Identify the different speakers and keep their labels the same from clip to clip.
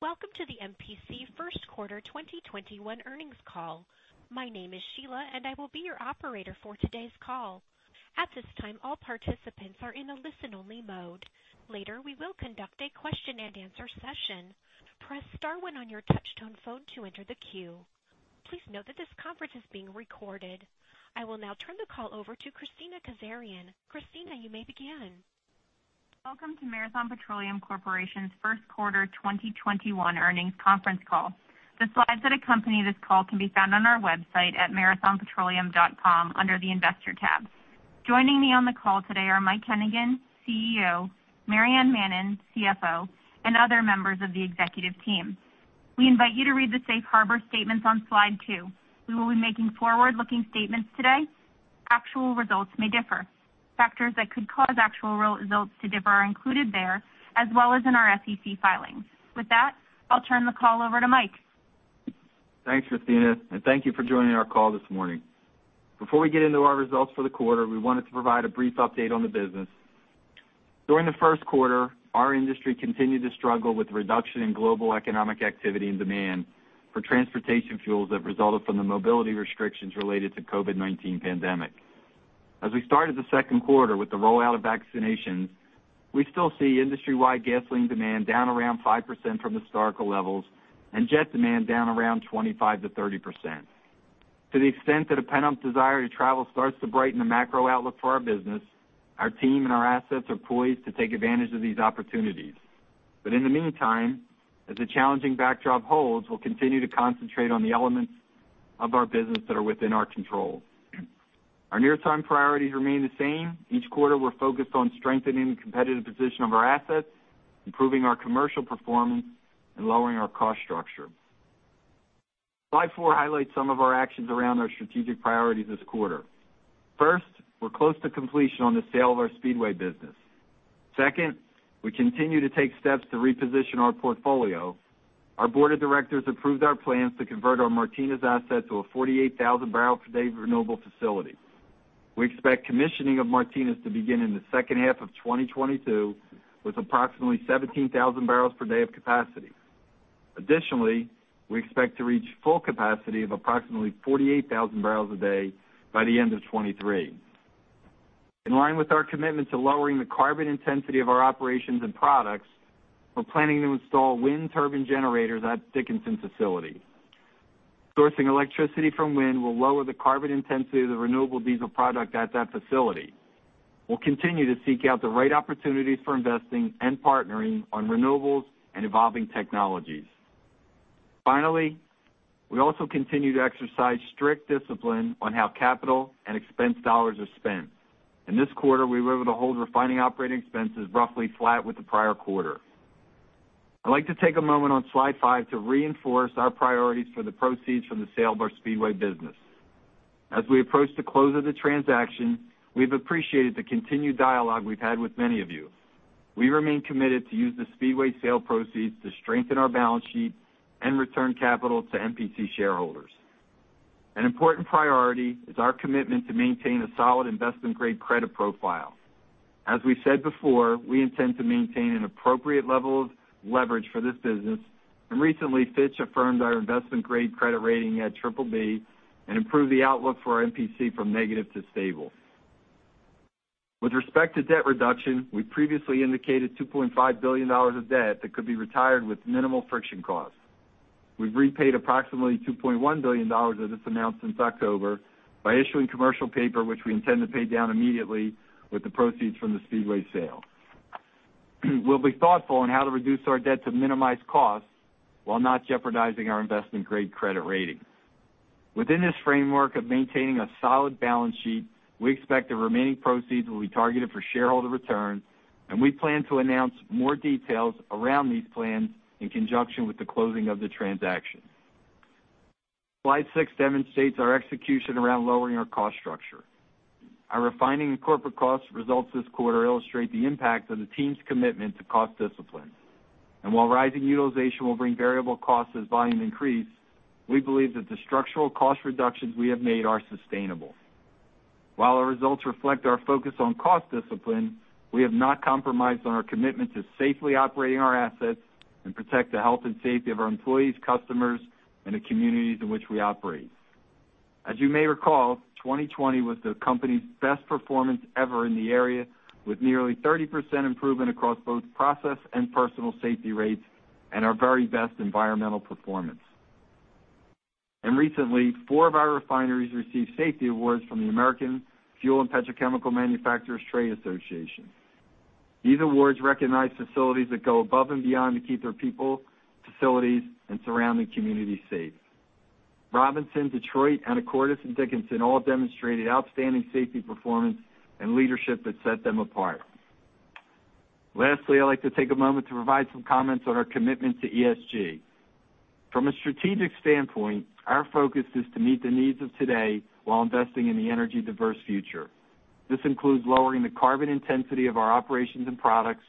Speaker 1: Welcome to the MPC first quarter 2021 earnings call. My name is Sheila, and I will be your operator for today's call. At this time, all participants are in a listen-only mode. Later, we will conduct a question and answer session. Press star one on your touch-tone phone to enter the queue. Please note that this conference is being recorded. I will now turn the call over to Kristina Kazarian. Kristina, you may begin.
Speaker 2: Welcome to Marathon Petroleum Corporation's first quarter 2021 earnings conference call. The slides that accompany this call can be found on our website at marathonpetroleum.com under the Investor tab. Joining me on the call today are Mike Hennigan, CEO, Maryann Mannen, CFO, and other members of the executive team. We invite you to read the safe harbor statements on slide two. We will be making forward-looking statements today. Actual results may differ. Factors that could cause actual results to differ are included there, as well as in our SEC filings. With that, I'll turn the call over to Mike.
Speaker 3: Thanks, Kristina, and thank you for joining our call this morning. Before we get into our results for the quarter, we wanted to provide a brief update on the business. During the first quarter, our industry continued to struggle with reduction in global economic activity and demand for transportation fuels that resulted from the mobility restrictions related to COVID-19 pandemic. As we started the second quarter with the rollout of vaccinations, we still see industry-wide gasoline demand down around 5% from historical levels and jet demand down around 25%-30%. To the extent that a pent-up desire to travel starts to brighten the macro outlook for our business, our team and our assets are poised to take advantage of these opportunities. In the meantime, as the challenging backdrop holds, we'll continue to concentrate on the elements of our business that are within our control. Our near-term priorities remain the same. Each quarter, we're focused on strengthening the competitive position of our assets, improving our commercial performance, and lowering our cost structure. Slide four highlights some of our actions around our strategic priorities this quarter. First, we're close to completion on the sale of our Speedway business. Second, we continue to take steps to reposition our portfolio. Our board of directors approved our plans to convert our Martinez asset to a 48,000 barrel per day renewable facility. We expect commissioning of Martinez to begin in the second half of 2022, with approximately 17,000 barrels per day of capacity. Additionally, we expect to reach full capacity of approximately 48,000 barrels a day by the end of 2023. In line with our commitment to lowering the carbon intensity of our operations and products, we're planning to install wind turbine generators at Dickinson facility. Sourcing electricity from wind will lower the carbon intensity of the renewable diesel product at that facility. We'll continue to seek out the right opportunities for investing and partnering on renewables and evolving technologies. Finally, we also continue to exercise strict discipline on how capital and expense dollars are spent. In this quarter, we were able to hold refining operating expenses roughly flat with the prior quarter. I'd like to take a moment on slide five to reinforce our priorities for the proceeds from the sale of our Speedway business. As we approach the close of the transaction, we've appreciated the continued dialogue we've had with many of you. We remain committed to use the Speedway sale proceeds to strengthen our balance sheet and return capital to MPC shareholders. An important priority is our commitment to maintain a solid investment-grade credit profile. As we said before, we intend to maintain an appropriate level of leverage for this business, and recently Fitch affirmed our investment-grade credit rating at BBB and improved the outlook for MPC from negative to stable. With respect to debt reduction, we previously indicated $2.5 billion of debt that could be retired with minimal friction cost. We've repaid approximately $2.1 billion of this amount since October by issuing commercial paper, which we intend to pay down immediately with the proceeds from the Speedway sale. We'll be thoughtful on how to reduce our debt to minimize costs while not jeopardizing our investment-grade credit rating. Within this framework of maintaining a solid balance sheet, we expect the remaining proceeds will be targeted for shareholder return, and we plan to announce more details around these plans in conjunction with the closing of the transaction. Slide six demonstrates our execution around lowering our cost structure. Our refining and corporate cost results this quarter illustrate the impact of the team's commitment to cost discipline. While rising utilization will bring variable costs as volume increase, we believe that the structural cost reductions we have made are sustainable. While our results reflect our focus on cost discipline, we have not compromised on our commitment to safely operating our assets and protect the health and safety of our employees, customers, and the communities in which we operate. As you may recall, 2020 was the company's best performance ever in the area, with nearly 30% improvement across both process and personal safety rates and our very best environmental performance. Recently, four of our refineries received safety awards from the American Fuel & Petrochemical Manufacturers trade association. These awards recognize facilities that go above and beyond to keep their people, facilities, and surrounding communities safe. Robinson, Detroit, Anacortes, and Dickinson all demonstrated outstanding safety performance and leadership that set them apart. Lastly, I'd like to take a moment to provide some comments on our commitment to ESG. From a strategic standpoint, our focus is to meet the needs of today while investing in the energy-diverse future. This includes lowering the carbon intensity of our operations and products,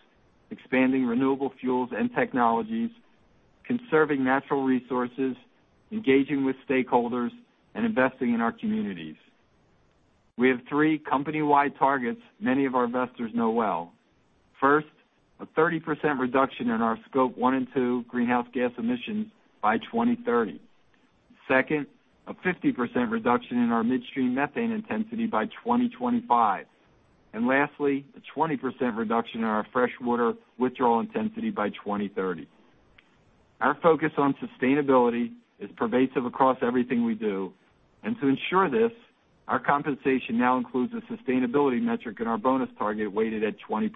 Speaker 3: expanding renewable fuels and technologies, conserving natural resources, engaging with stakeholders, and investing in our communities. We have three company-wide targets many of our investors know well. First, a 30% reduction in our Scope 1 and 2 greenhouse gas emissions by 2030. Second, a 50% reduction in our midstream methane intensity by 2025. Lastly, a 20% reduction in our freshwater withdrawal intensity by 2030. Our focus on sustainability is pervasive across everything we do, and to ensure this, our compensation now includes a sustainability metric in our bonus target, weighted at 20%.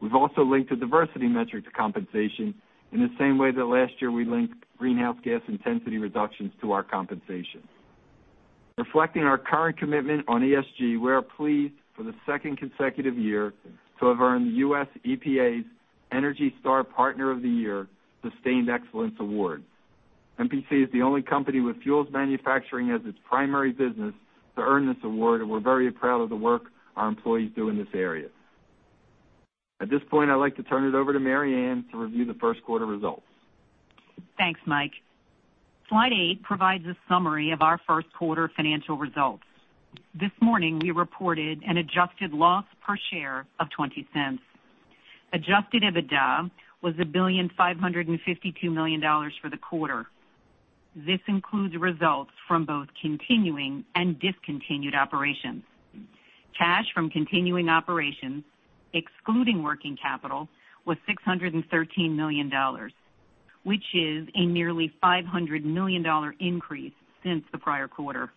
Speaker 3: We've also linked a diversity metric to compensation in the same way that last year we linked greenhouse gas intensity reductions to our compensation. Reflecting our current commitment on ESG, we are pleased, for the second consecutive year, to have earned the US EPA's ENERGY STAR Partner of the Year – Sustained Excellence Award. MPC is the only company with fuels manufacturing as its primary business to earn this award, and we're very proud of the work our employees do in this area. At this point, I'd like to turn it over to Maryann to review the first quarter results.
Speaker 4: Thanks, Mike. Slide eight provides a summary of our first quarter financial results. This morning, we reported an adjusted loss per share of $0.20. Adjusted EBITDA was $1.552 billion for the quarter. This includes results from both continuing and discontinued operations. Cash from continuing operations, excluding working capital, was $613 million, which is a nearly $500 million increase since the prior quarter.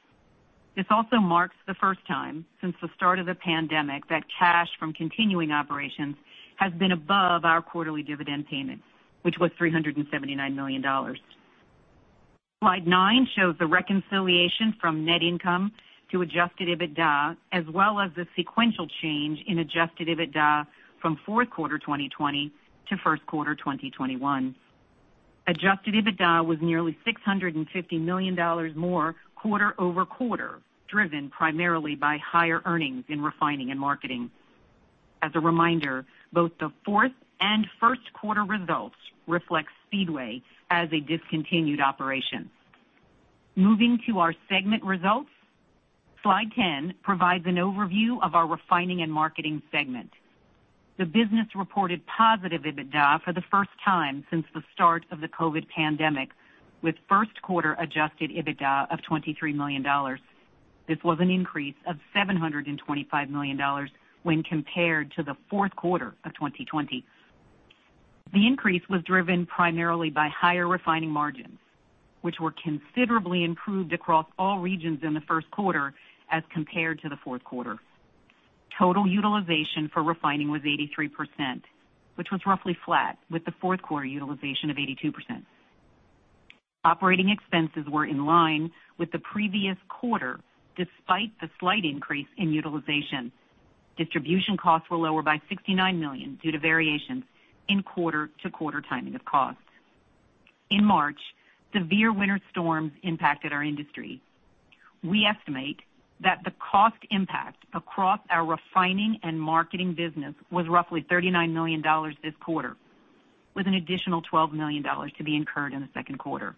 Speaker 4: This also marks the first time since the start of the pandemic that cash from continuing operations has been above our quarterly dividend payment, which was $379 million. Slide nine shows the reconciliation from net income to adjusted EBITDA, as well as the sequential change in adjusted EBITDA from fourth quarter 2020 to first quarter 2021. Adjusted EBITDA was nearly $650 million more quarter-over-quarter, driven primarily by higher earnings in refining and marketing. As a reminder, both the fourth and first quarter results reflect Speedway as a discontinued operation. Moving to our segment results, slide 10 provides an overview of our Refining and Marketing segment. The business reported positive EBITDA for the first time since the start of the COVID-19 pandemic, with first quarter adjusted EBITDA of $23 million. This was an increase of $725 million when compared to the fourth quarter of 2020. The increase was driven primarily by higher refining margins, which were considerably improved across all regions in the first quarter as compared to the fourth quarter. Total utilization for refining was 83%, which was roughly flat with the fourth quarter utilization of 82%. Operating expenses were in line with the previous quarter, despite the slight increase in utilization. Distribution costs were lower by $69 million due to variations in quarter-to-quarter timing of costs. In March, severe winter storms impacted our industry. We estimate that the cost impact across our refining and marketing business was roughly $39 million this quarter, with an additional $12 million to be incurred in the second quarter.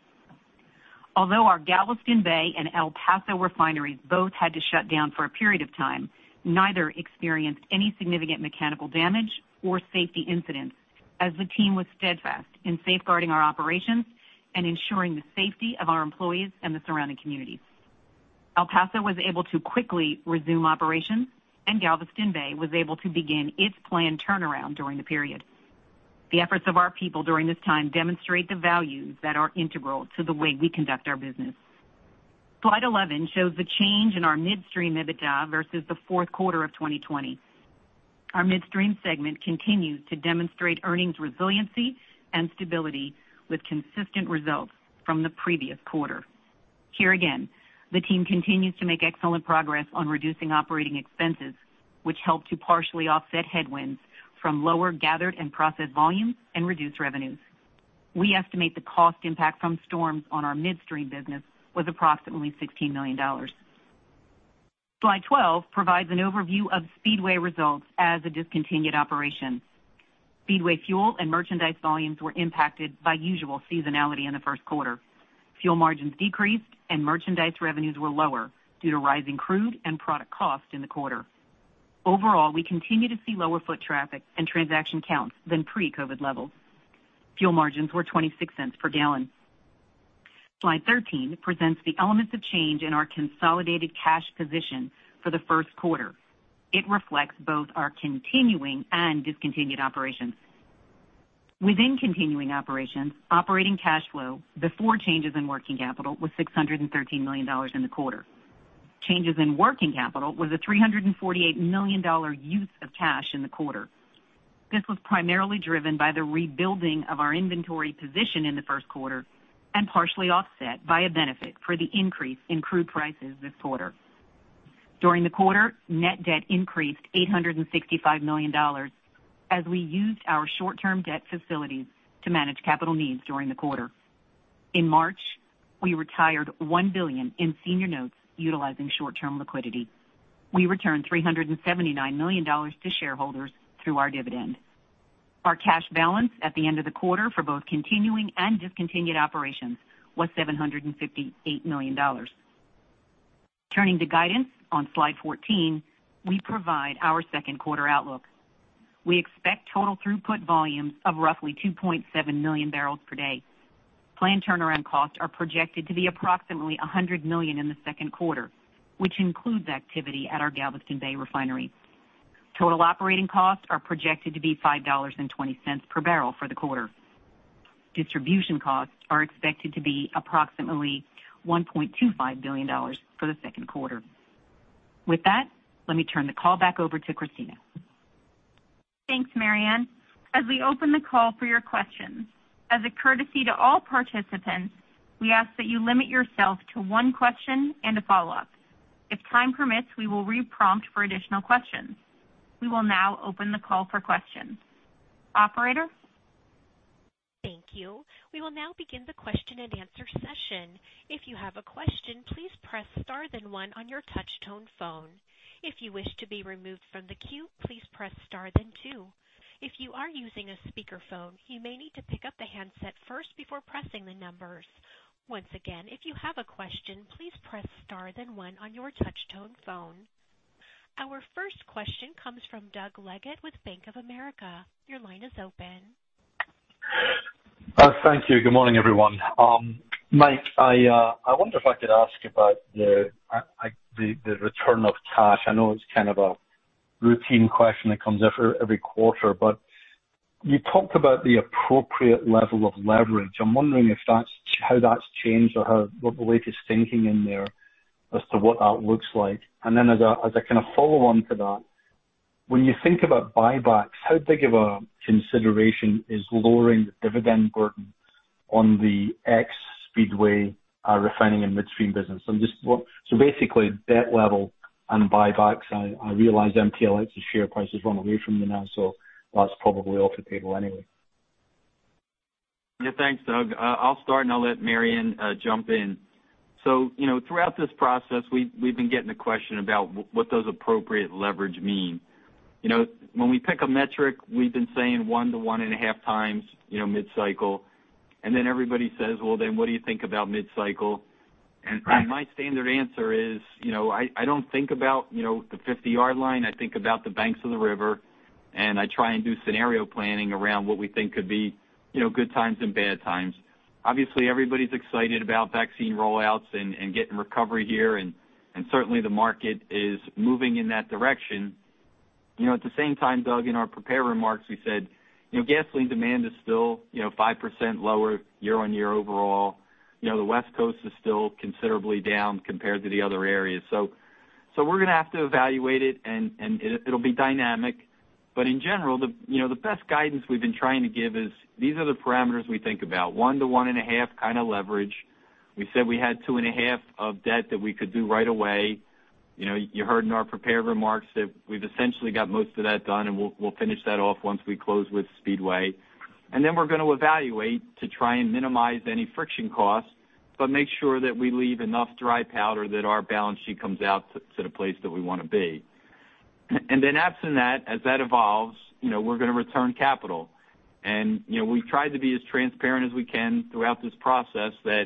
Speaker 4: Although our Galveston Bay and El Paso refineries both had to shut down for a period of time, neither experienced any significant mechanical damage or safety incidents, as the team was steadfast in safeguarding our operations and ensuring the safety of our employees and the surrounding communities. El Paso was able to quickly resume operations, and Galveston Bay was able to begin its planned turnaround during the period. The efforts of our people during this time demonstrate the values that are integral to the way we conduct our business. Slide 11 shows the change in our midstream EBITDA versus the fourth quarter of 2020. Our midstream segment continued to demonstrate earnings resiliency and stability with consistent results from the previous quarter. Here again, the team continues to make excellent progress on reducing operating expenses, which help to partially offset headwinds from lower gathered and processed volumes and reduced revenues. We estimate the cost impact from storms on our midstream business was approximately $16 million. Slide 12 provides an overview of Speedway results as a discontinued operation. Speedway fuel and merchandise volumes were impacted by usual seasonality in the first quarter. Fuel margins decreased, and merchandise revenues were lower due to rising crude and product costs in the quarter. Overall, we continue to see lower foot traffic and transaction counts than pre-COVID-19 levels. Fuel margins were $0.26 per gallon. Slide 13 presents the elements of change in our consolidated cash position for the first quarter. It reflects both our continuing and discontinued operations. Within continuing operations, operating cash flow before changes in working capital was $613 million in the quarter. Changes in working capital was a $348 million use of cash in the quarter. This was primarily driven by the rebuilding of our inventory position in the first quarter and partially offset by a benefit for the increase in crude prices this quarter. During the quarter, net debt increased $865 million as we used our short-term debt facilities to manage capital needs during the quarter. In March, we retired $1 billion in senior notes utilizing short-term liquidity. We returned $379 million to shareholders through our dividend. Our cash balance at the end of the quarter for both continuing and discontinued operations was $758 million. Turning to guidance on Slide 14, we provide our second quarter outlook. We expect total throughput volumes of roughly 2.7 million barrels per day. Planned turnaround costs are projected to be approximately $100 million in the second quarter, which includes activity at our Galveston Bay refinery. Total operating costs are projected to be $5.20 per barrel for the quarter. Distribution costs are expected to be approximately $1.25 billion for the second quarter. With that, let me turn the call back over to Kristina.
Speaker 2: Thanks, Maryann. As we open the call for your questions, as a courtesy to all participants, we ask that you limit yourself to one question and a follow-up. If time permits, we will re-prompt for additional questions. We will now open the call for questions. Operator?
Speaker 1: Thank you. We will now begin the question-and-answer session. If you have a question, please press star then one on your touchtone phone. If you wish to be removed from the queue, please press star then two if you are using a speaker phone you may need to pick the handset first before pressing the numbers. Once again if you have a question, please press star then one on your touchtone phone. Our first question comes from Doug Leggate with Bank of America. Your line is open.
Speaker 5: Thank you. Good morning, everyone. Mike, I wonder if I could ask about the return of cash. I know it's kind of a routine question that comes every quarter, but you talked about the appropriate level of leverage. I'm wondering how that's changed or what the latest thinking in there as to what that looks like. As a kind of follow-on to that, when you think about buybacks, how big of a consideration is lowering the dividend burden on the ex Speedway refining and midstream business? Basically, debt level and buybacks. I realize MPLX's share price has run away from you now, so that's probably off the table anyway.
Speaker 3: Yeah. Thanks, Doug. I'll start, and I'll let Maryann jump in. Throughout this process, we've been getting the question about what does appropriate leverage mean. When we pick a metric, we've been saying one to one and a half times mid-cycle, and then everybody says, "Well, then what do you think about mid-cycle?" My standard answer is, I don't think about the 50-yard line. I think about the banks of the river, and I try and do scenario planning around what we think could be good times and bad times. Obviously, everybody's excited about vaccine roll-outs and getting recovery here, and certainly the market is moving in that direction. At the same time, Doug, in our prepared remarks, we said gasoline demand is still 5% lower year-on-year overall. The West Coast is still considerably down compared to the other areas. We're going to have to evaluate it, and it'll be dynamic. In general, the best guidance we've been trying to give is these are the parameters we think about, 1 to 1.5 kind of leverage. We said we had $2.5 of debt that we could do right away. You heard in our prepared remarks that we've essentially got most of that done, and we'll finish that off once we close with Speedway. We're going to evaluate to try and minimize any friction costs, but make sure that we leave enough dry powder that our balance sheet comes out to the place that we want to be. Absent that, as that evolves, we're going to return capital. We've tried to be as transparent as we can throughout this process that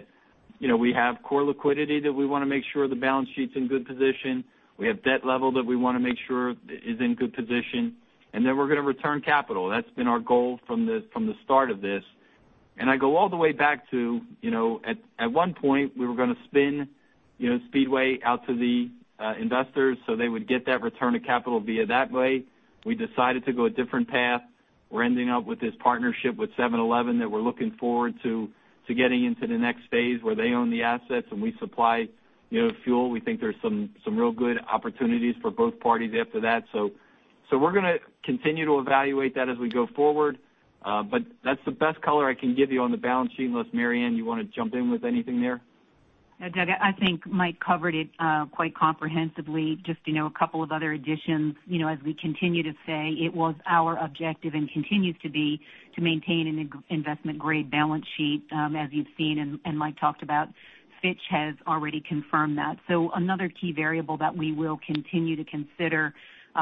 Speaker 3: we have core liquidity that we want to make sure the balance sheet's in good position. We have debt level that we want to make sure is in good position. We're going to return capital. That's been our goal from the start of this. I go all the way back to at one point, we were going to spin Speedway out to the investors so they would get that return of capital via that way. We decided to go a different path. We're ending up with this partnership with 7-Eleven that we're looking forward to getting into the next phase where they own the assets and we supply fuel. We think there's some real good opportunities for both parties after that. We're going to continue to evaluate that as we go forward. That's the best color I can give you on the balance sheet, unless, Maryann, you want to jump in with anything there?
Speaker 4: Doug, I think Mike covered it quite comprehensively. Just a couple of other additions. As we continue to say, it was our objective and continues to be to maintain an investment-grade balance sheet. As you've seen and Mike talked about, Fitch has already confirmed that. Another key variable that we will continue to consider,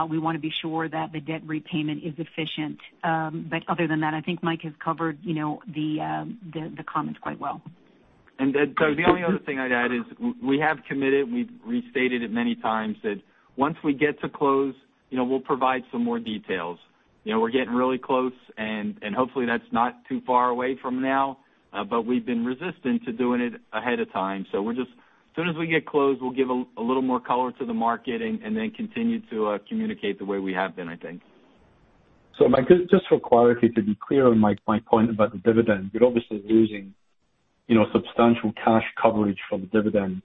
Speaker 4: we want to be sure that the debt repayment is efficient. Other than that, I think Mike has covered the comments quite well.
Speaker 3: Doug, the only other thing I'd add is we have committed, we've restated it many times, that once we get to close, we'll provide some more details. We're getting really close, and hopefully that's not too far away from now. We've been resistant to doing it ahead of time. As soon as we get close, we'll give a little more color to the market and then continue to communicate the way we have been, I think.
Speaker 5: Mike, just for clarity, to be clear on my point about the dividend, you're obviously losing substantial cash coverage for the dividend.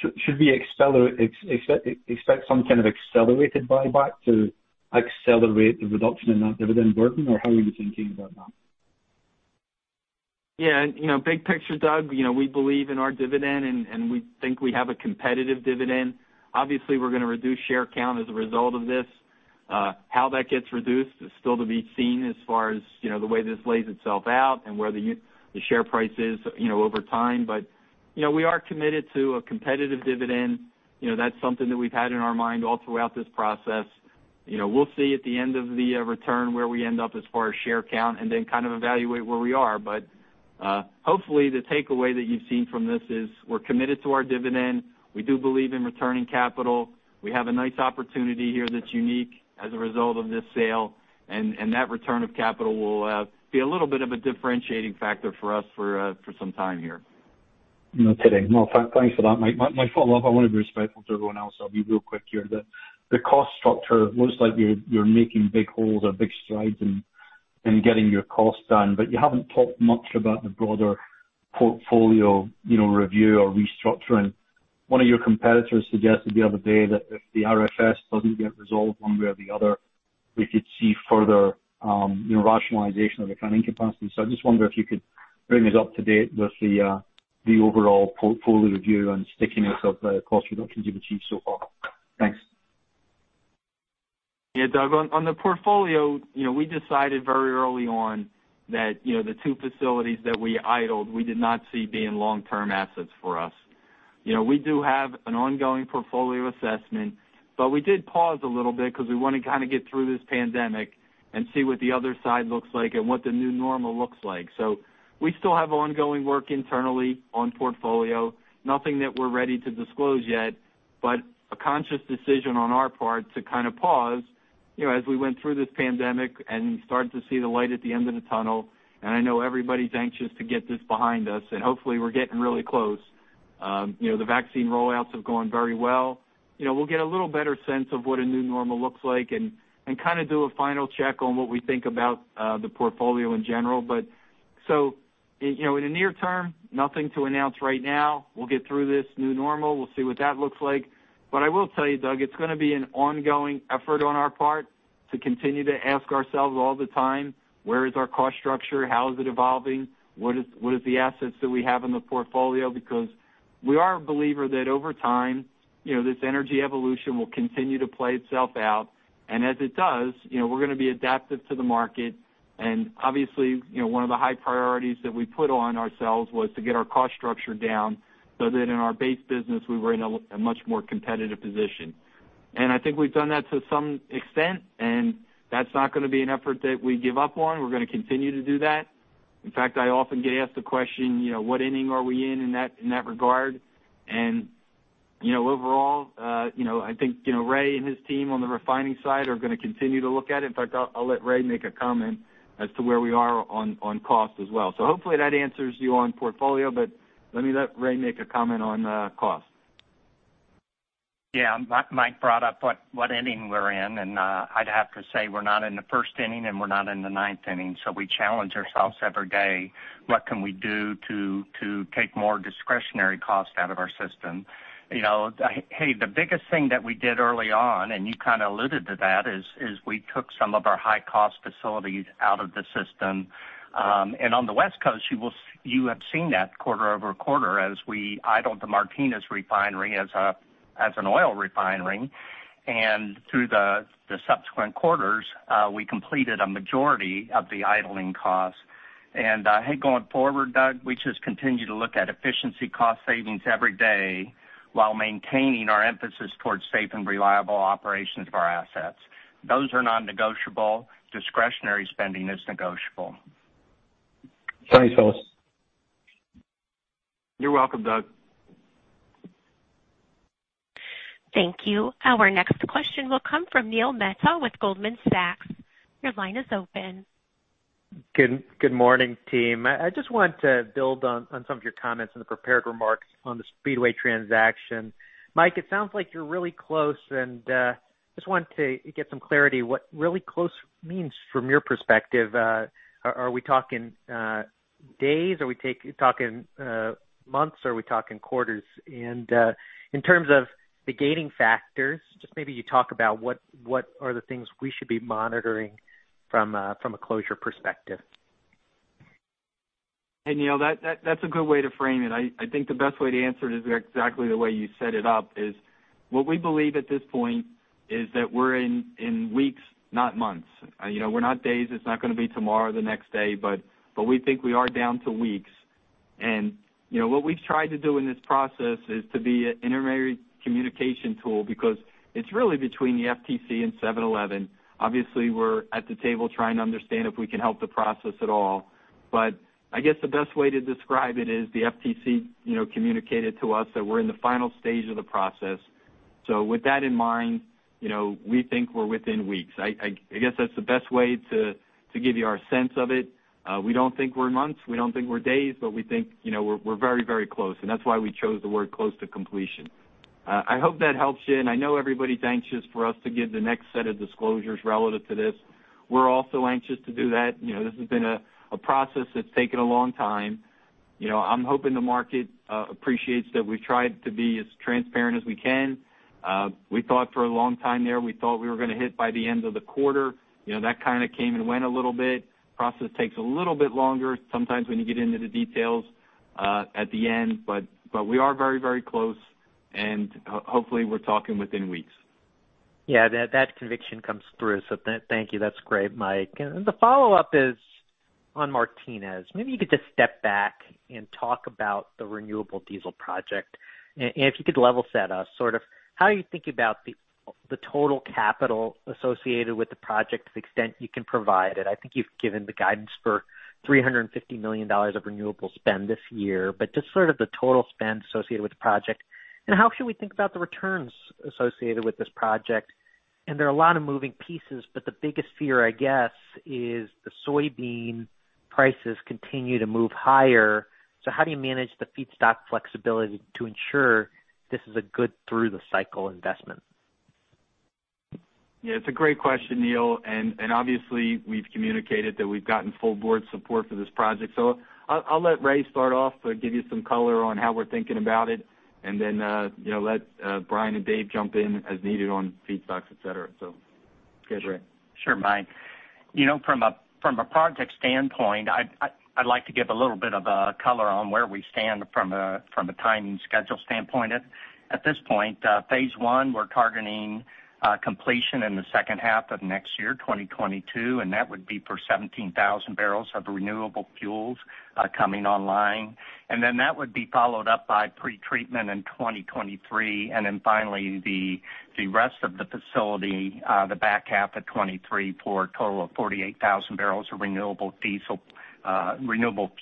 Speaker 5: Should we expect some kind of accelerated buyback to accelerate the reduction in that dividend burden, or how are you thinking about that?
Speaker 3: Yeah. Big picture, Doug, we believe in our dividend, and we think we have a competitive dividend. Obviously, we're going to reduce share count as a result of this. How that gets reduced is still to be seen as far as the way this lays itself out and where the share price is over time. We are committed to a competitive dividend. That's something that we've had in our mind all throughout this process. We'll see at the end of the return where we end up as far as share count, and then kind of evaluate where we are. Hopefully the takeaway that you've seen from this is we're committed to our dividend. We do believe in returning capital. We have a nice opportunity here that's unique as a result of this sale, and that return of capital will be a little bit of a differentiating factor for us for some time here.
Speaker 5: No kidding. Well, thanks for that, Mike. My follow-up. I want to be respectful to everyone else, I'll be real quick here. The cost structure looks like you're making big holes or big strides in getting your costs down. You haven't talked much about the broader portfolio review or restructuring. One of your competitors suggested the other day that if the RFS doesn't get resolved one way or the other, we could see further rationalization of the refining capacity. I just wonder if you could bring us up to date with the overall portfolio review and stickiness of the cost reductions you've achieved so far. Thanks.
Speaker 3: Yeah, Doug, on the portfolio, we decided very early on that the two facilities that we idled, we did not see being long-term assets for us. We do have an ongoing portfolio assessment, but we did pause a little bit because we want to kind of get through this pandemic and see what the other side looks like and what the new normal looks like. We still have ongoing work internally on portfolio. Nothing that we're ready to disclose yet, but a conscious decision on our part to kind of pause as we went through this pandemic and start to see the light at the end of the tunnel. I know everybody's anxious to get this behind us, and hopefully we're getting really close. The vaccine rollouts have gone very well. We'll get a little better sense of what a new normal looks like and kind of do a final check on what we think about the portfolio in general. In the near term, nothing to announce right now. We'll get through this new normal. We'll see what that looks like. I will tell you, Doug, it's going to be an ongoing effort on our part to continue to ask ourselves all the time, where is our cost structure? How is it evolving? What is the assets that we have in the portfolio? We are a believer that over time, this energy evolution will continue to play itself out, and as it does, we're going to be adaptive to the market. Obviously, one of the high priorities that we put on ourselves was to get our cost structure down so that in our base business, we were in a much more competitive position. I think we've done that to some extent, and that's not going to be an effort that we give up on. We're going to continue to do that. In fact, I often get asked the question, what inning are we in that regard? Overall, I think Ray and his team on the refining side are going to continue to look at it. In fact, I'll let Ray make a comment as to where we are on cost as well. Hopefully that answers you on portfolio, but let me let Ray make a comment on cost.
Speaker 6: Mike brought up what inning we're in, and I'd have to say we're not in the first inning, and we're not in the ninth inning. We challenge ourselves every day, what can we do to take more discretionary cost out of our system? Hey, the biggest thing that we did early on, and you kind of alluded to that, is we took some of our high-cost facilities out of the system. On the West Coast, you have seen that quarter-over-quarter as we idled the Martinez refinery as an oil refinery. Through the subsequent quarters, we completed a majority of the idling costs. Going forward, Doug, we just continue to look at efficiency cost savings every day while maintaining our emphasis towards safe and reliable operations of our assets. Those are non-negotiable. Discretionary spending is negotiable.
Speaker 5: Thanks, fellas.
Speaker 3: You're welcome, Doug.
Speaker 1: Thank you. Our next question will come from Neil Mehta with Goldman Sachs. Your line is open.
Speaker 7: Good morning, team. I just want to build on some of your comments in the prepared remarks on the Speedway transaction. Mike, it sounds like you're really close, and just wanted to get some clarity what really close means from your perspective. Are we talking days? Are we talking months? Are we talking quarters? In terms of the gating factors, just maybe you talk about what are the things we should be monitoring from a closure perspective.
Speaker 3: Hey, Neil, that's a good way to frame it. I think the best way to answer it is exactly the way you set it up is what we believe at this point is that we're in weeks, not months. We're not days. It's not going to be tomorrow or the next day, but we think we are down to weeks. What we've tried to do in this process is to be an intermediary communication tool because it's really between the FTC and 7-Eleven. Obviously, we're at the table trying to understand if we can help the process at all. I guess the best way to describe it is the FTC communicated to us that we're in the final stage of the process. With that in mind, we think we're within weeks. I guess that's the best way to give you our sense of it. We don't think we're months, we don't think we're days, but we think we're very close, and that's why we chose the word close to completion. I hope that helps you, and I know everybody's anxious for us to give the next set of disclosures relative to this. We're also anxious to do that. This has been a process that's taken a long time. I'm hoping the market appreciates that we've tried to be as transparent as we can. We thought for a long time there we thought we were going to hit by the end of the quarter. That kind of came and went a little bit. Process takes a little bit longer sometimes when you get into the details at the end. We are very close, and hopefully we're talking within weeks.
Speaker 7: Yeah, that conviction comes through. Thank you. That's great, Mike. The follow-up is on Martinez. Maybe you could just step back and talk about the renewable diesel project. If you could level set us, how are you thinking about the total capital associated with the project to the extent you can provide it? I think you've given the guidance for $350 million of renewable spend this year, just sort of the total spend associated with the project. How should we think about the returns associated with this project? There are a lot of moving pieces, the biggest fear, I guess, is the soybean prices continue to move higher. How do you manage the feedstock flexibility to ensure this is a good through-the-cycle investment?
Speaker 3: Yeah, it's a great question, Neil. Obviously we've communicated that we've gotten full board support for this project. I'll let Ray start off to give you some color on how we're thinking about it and then let Brian and Dave jump in as needed on feedstocks, et cetera. Go ahead, Ray.
Speaker 6: Sure, Mike. From a project standpoint, I'd like to give a little bit of color on where we stand from a timing schedule standpoint. At this point, phase 1, we're targeting completion in the second half of next year, 2022, and that would be for 17,000 barrels of renewable fuels coming online. That would be followed up by pretreatment in 2023, and then finally the rest of the facility, the back half of 2023 for a total of 48,000 barrels of renewable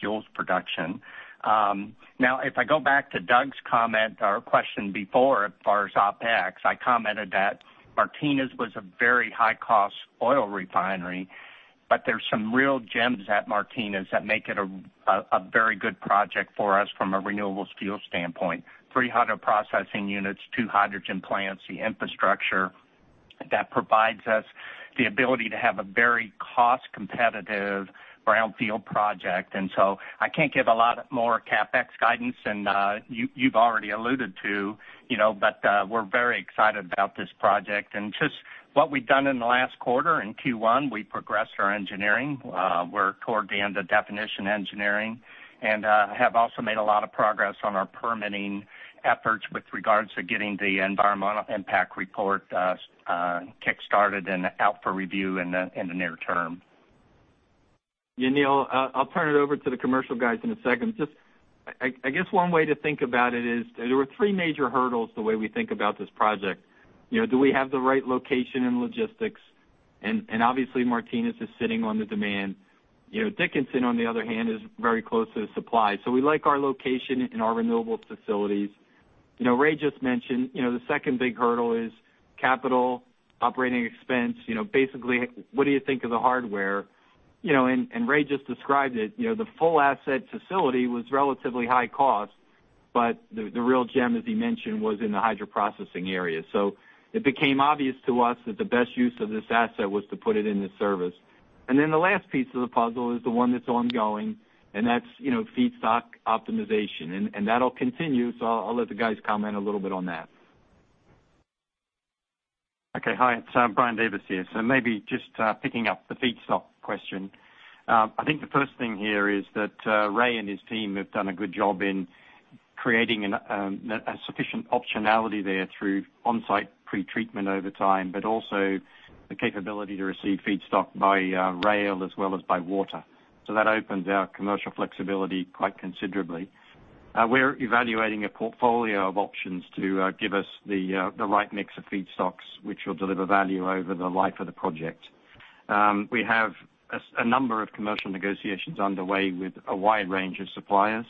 Speaker 6: fuels production. If I go back to Doug's comment or question before as far as OpEx, I commented that Martinez was a very high-cost oil refinery, but there's some real gems at Martinez that make it a very good project for us from a renewables fuel standpoint: 300 processing units, two hydrogen plants, the infrastructure that provides us the ability to have a very cost-competitive brownfield project. I can't give a lot more CapEx guidance than you've already alluded to, but we're very excited about this project. Just what we've done in the last quarter, in Q1, we progressed our engineering. We're toward the end of definition engineering and have also made a lot of progress on our permitting efforts with regards to getting the environmental impact report kick-started and out for review in the near term.
Speaker 3: Yeah, Neil, I'll turn it over to the commercial guys in a second. I guess one way to think about it is there were three major hurdles the way we think about this project. Do we have the right location and logistics? Obviously Martinez is sitting on the demand. Dickinson, on the other hand, is very close to the supply. We like our location and our renewable facilities. Ray just mentioned the second big hurdle is capital operating expense. Basically, what do you think of the hardware? Ray just described it. The full asset facility was relatively high cost, the real gem, as he mentioned, was in the hydroprocessing area. It became obvious to us that the best use of this asset was to put it into service. The last piece of the puzzle is the one that's ongoing, and that's feedstock optimization. That'll continue, so I'll let the guys comment a little bit on that.
Speaker 8: Hi, it's Brian Davis here. Maybe just picking up the feedstock question. I think the first thing here is that Ray and his team have done a good job in creating a sufficient optionality there through on-site pretreatment over time, but also the capability to receive feedstock by rail as well as by water. That opens our commercial flexibility quite considerably. We're evaluating a portfolio of options to give us the right mix of feedstocks, which will deliver value over the life of the project. We have a number of commercial negotiations underway with a wide range of suppliers,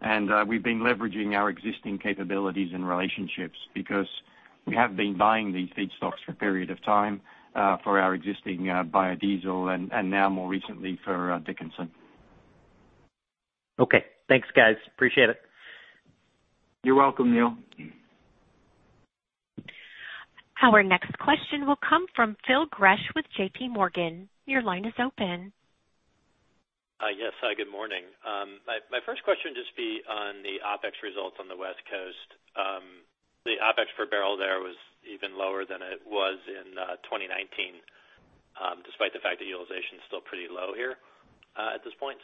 Speaker 8: and we've been leveraging our existing capabilities and relationships because we have been buying these feedstocks for a period of time for our existing biodiesel and now more recently for Dickinson.
Speaker 7: Okay. Thanks, guys. Appreciate it.
Speaker 3: You're welcome, Neil.
Speaker 1: Our next question will come from Phil Gresh with JPMorgan. Your line is open.
Speaker 9: Yes. Good morning. My first question would just be on the OpEx results on the West Coast. The OpEx per barrel there was even lower than it was in 2019, despite the fact that utilization is still pretty low here at this point.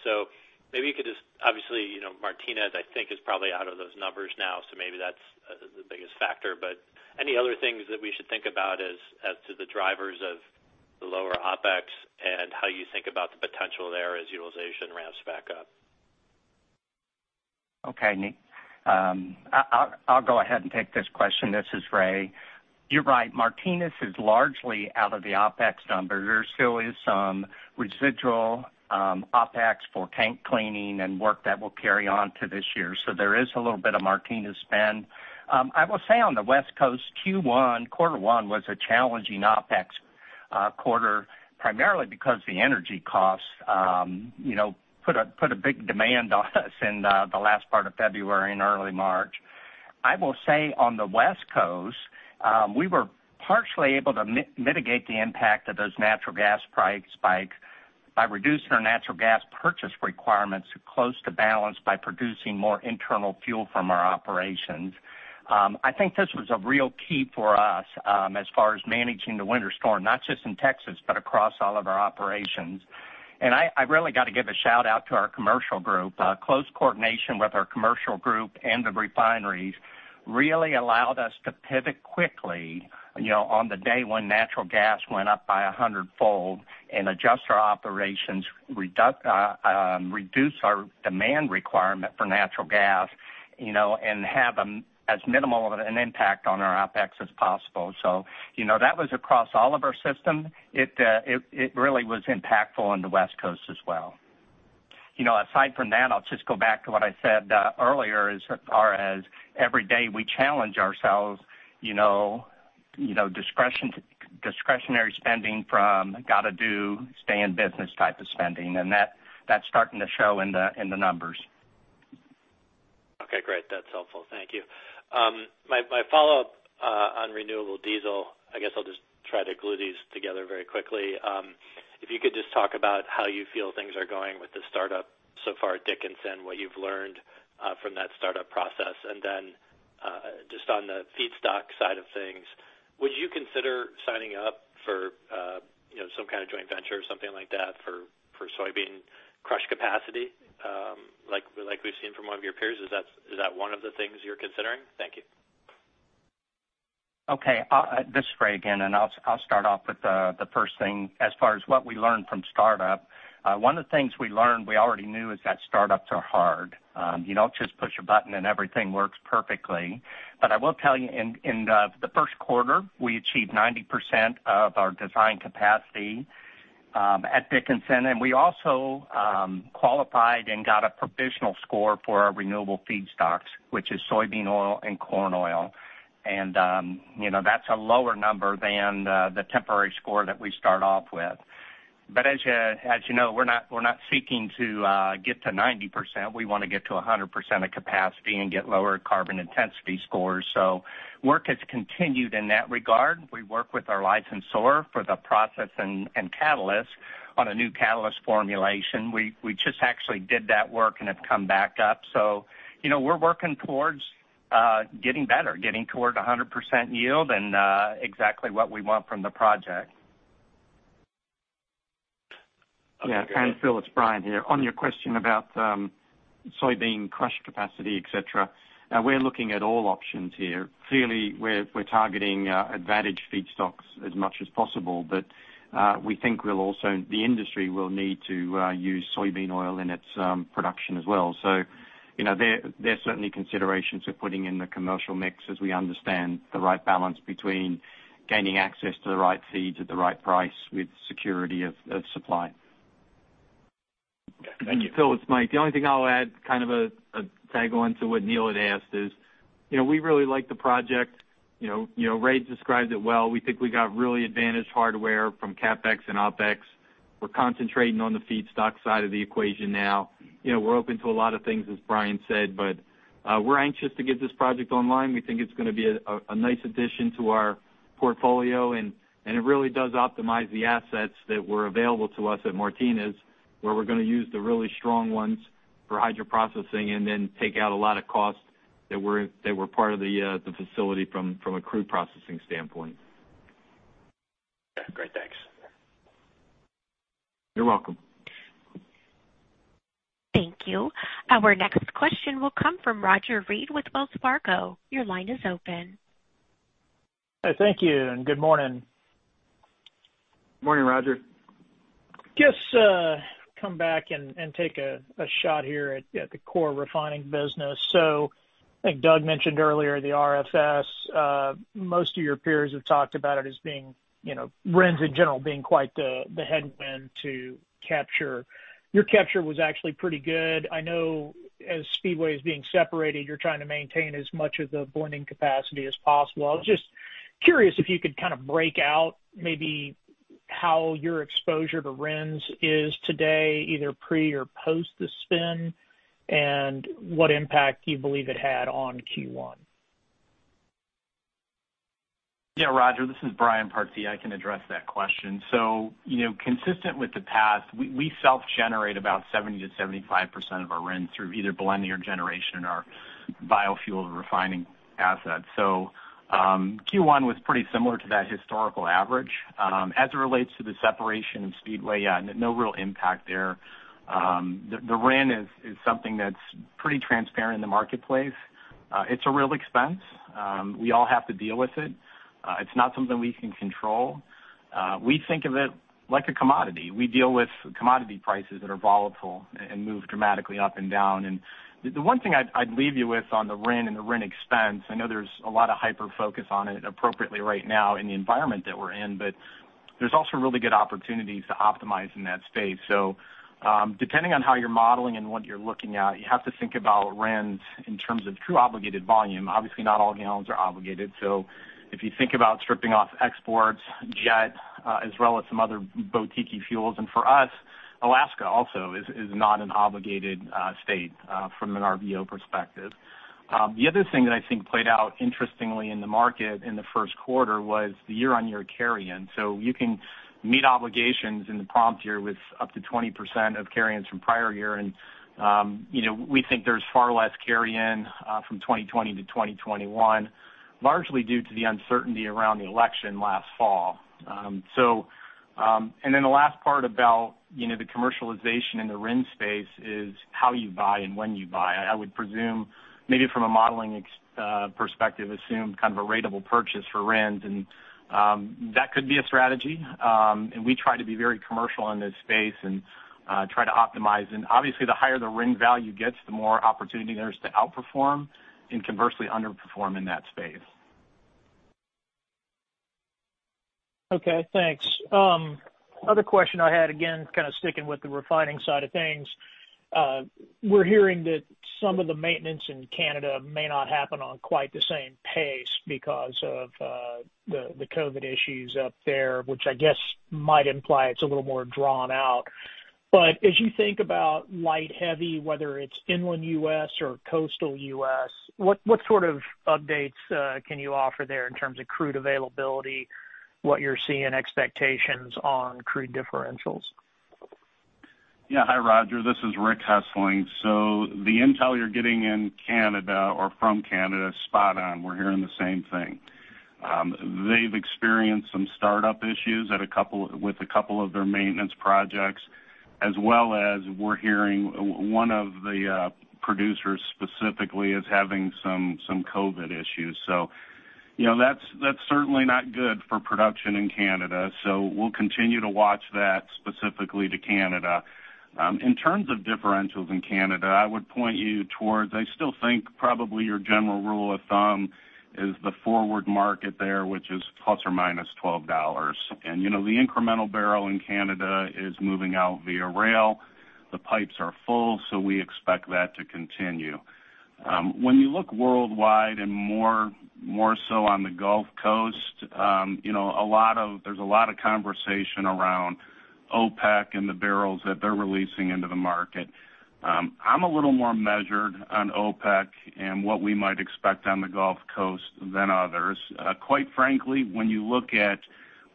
Speaker 9: Maybe you could just obviously, Martinez, I think, is probably out of those numbers now, so maybe that's the biggest factor. Any other things that we should think about as to the drivers of the lower OpEx and how you think about the potential there as utilization ramps back up?
Speaker 6: Okay, [Phil]. I'll go ahead and take this question. This is Ray. You're right, Martinez is largely out of the OpEx number. There still is some residual OpEx for tank cleaning and work that will carry on to this year. There is a little bit of Martinez spend. I will say on the West Coast, Q1, quarter one, was a challenging OpEx quarter, primarily because the energy costs put a big demand on us in the last part of February and early March. I will say on the West Coast, we were partially able to mitigate the impact of those natural gas price spikes by reducing our natural gas purchase requirements to close to balance by producing more internal fuel from our operations. I think this was a real key for us as far as managing the winter storm, not just in Texas, but across all of our operations. I really got to give a shout-out to our commercial group. Close coordination with our commercial group and the refineries really allowed us to pivot quickly on the day when natural gas went up by a hundredfold and adjust our operations, reduce our demand requirement for natural gas, and have as minimal of an impact on our OpEx as possible. That was across all of our systems. It really was impactful on the West Coast as well. Aside from that, I'll just go back to what I said earlier as far as every day we challenge ourselves, discretionary spending from got to do stay in business type of spending, and that's starting to show in the numbers.
Speaker 9: Okay, great. That's helpful. Thank you. My follow-up on renewable diesel, I guess I'll just try to glue these together very quickly. If you could just talk about how you feel things are going with the startup so far at Dickinson, what you've learned from that startup process. Just on the feedstock side of things, would you consider signing up for some kind of joint venture or something like that for soybean crush capacity like we've seen from one of your peers? Is that one of the things you're considering? Thank you.
Speaker 6: Okay. This is Ray again. I'll start off with the first thing. As far as what we learned from startup, one of the things we learned we already knew is that startups are hard. You don't just push a button and everything works perfectly. I will tell you in the first quarter, we achieved 90% of our design capacity at Dickinson. We also qualified and got a provisional score for our renewable feedstocks, which is soybean oil and corn oil. That's a lower number than the temporary score that we start off with. As you know, we're not seeking to get to 90%. We want to get to 100% of capacity and get lower carbon intensity scores. Work has continued in that regard. We work with our licensor for the process and catalyst on a new catalyst formulation. We just actually did that work and have come back up. We're working towards getting better, getting towards 100% yield and exactly what we want from the project.
Speaker 9: Okay, great.
Speaker 8: Yeah. Phil, it's Brian here. On your question about soybean crush capacity, et cetera, we're looking at all options here. Clearly, we're targeting advantaged feedstocks as much as possible, but we think the industry will need to use soybean oil in its production as well. There's certainly considerations we're putting in the commercial mix as we understand the right balance between gaining access to the right feeds at the right price with security of supply.
Speaker 9: Okay. Thank you.
Speaker 3: Phil, it's Mike. The only thing I'll add, kind of a tag on to what Neil had asked is, we really like the project. Ray described it well. We think we got really advantaged hardware from CapEx and OpEx. We're concentrating on the feedstock side of the equation now. We're open to a lot of things, as Brian Partee said, but we're anxious to get this project online. We think it's going to be a nice addition to our portfolio, and it really does optimize the assets that were available to us at Martinez, where we're going to use the really strong ones for hydroprocessing and then take out a lot of costs that were part of the facility from a crude processing standpoint.
Speaker 9: Yeah, great. Thanks.
Speaker 3: You're welcome.
Speaker 1: Thank you. Our next question will come from Roger Read with Wells Fargo. Your line is open.
Speaker 10: Thank you, and good morning.
Speaker 3: Morning, Roger.
Speaker 10: Just come back and take a shot here at the core refining business. I think Doug mentioned earlier the RFS. Most of your peers have talked about it as being, RINs in general being quite the headwind to capture. Your capture was actually pretty good. I know as Speedway is being separated, you're trying to maintain as much of the blending capacity as possible. I was just curious if you could kind of break out maybe how your exposure to RINs is today, either pre or post the spin, and what impact you believe it had on Q1.
Speaker 11: Yeah. Roger, this is Brian Partee. I can address that question. Consistent with the past, we self-generate about 70%-75% of our RIN through either blending or generation in our biofuels refining assets. Q1 was pretty similar to that historical average. As it relates to the separation of Speedway, yeah, no real impact there. The RIN is something that's pretty transparent in the marketplace. It's a real expense. We all have to deal with it. It's not something we can control. We think of it like a commodity. We deal with commodity prices that are volatile and move dramatically up and down. The one thing I'd leave you with on the RIN and the RIN expense, I know there's a lot of hyper-focus on it appropriately right now in the environment that we're in, but there's also really good opportunities to optimize in that space. Depending on how you're modeling and what you're looking at, you have to think about RINs in terms of true obligated volume. Obviously, not all gallons are obligated. If you think about stripping off exports, jet, as well as some other boutiquey fuels. For us, Alaska also is not an obligated state from an RVO perspective. The other thing that I think played out interestingly in the market in the first quarter was the year-on-year carry-in. You can meet obligations in the prompt year with up to 20% of carry-ins from prior year. We think there's far less carry-in from 2020 to 2021, largely due to the uncertainty around the election last fall. The last part about the commercialization in the RIN space is how you buy and when you buy. I would presume maybe from a modeling perspective, assume kind of a ratable purchase for RINs. That could be a strategy. We try to be very commercial in this space and try to optimize. Obviously the higher the RIN value gets, the more opportunity there is to outperform and conversely underperform in that space.
Speaker 10: Okay, thanks. Other question I had, again, kind of sticking with the refining side of things. We're hearing that some of the maintenance in Canada may not happen on quite the same pace because of the COVID issues up there, which I guess might imply it's a little more drawn out. As you think about light, heavy, whether it's inland U.S., or coastal U.S., what sort of updates can you offer there in terms of crude availability, what you're seeing, expectations on crude differentials?
Speaker 12: Yeah. Hi, Roger. This is Rick Hessling. The intel you're getting in Canada or from Canada, spot on. We're hearing the same thing. They've experienced some startup issues with a couple of their maintenance projects, as well as we're hearing one of the producers specifically is having some COVID-19 issues. That's certainly not good for production in Canada. We'll continue to watch that specifically to Canada. In terms of differentials in Canada, I would point you towards, I still think probably your general rule of thumb is the forward market there, which is plus or minus $12. The incremental barrel in Canada is moving out via rail. The pipes are full, we expect that to continue. When you look worldwide and more so on the Gulf Coast, there's a lot of conversation around OPEC and the barrels that they're releasing into the market. I'm a little more measured on OPEC and what we might expect on the Gulf Coast than others. Quite frankly, when you look at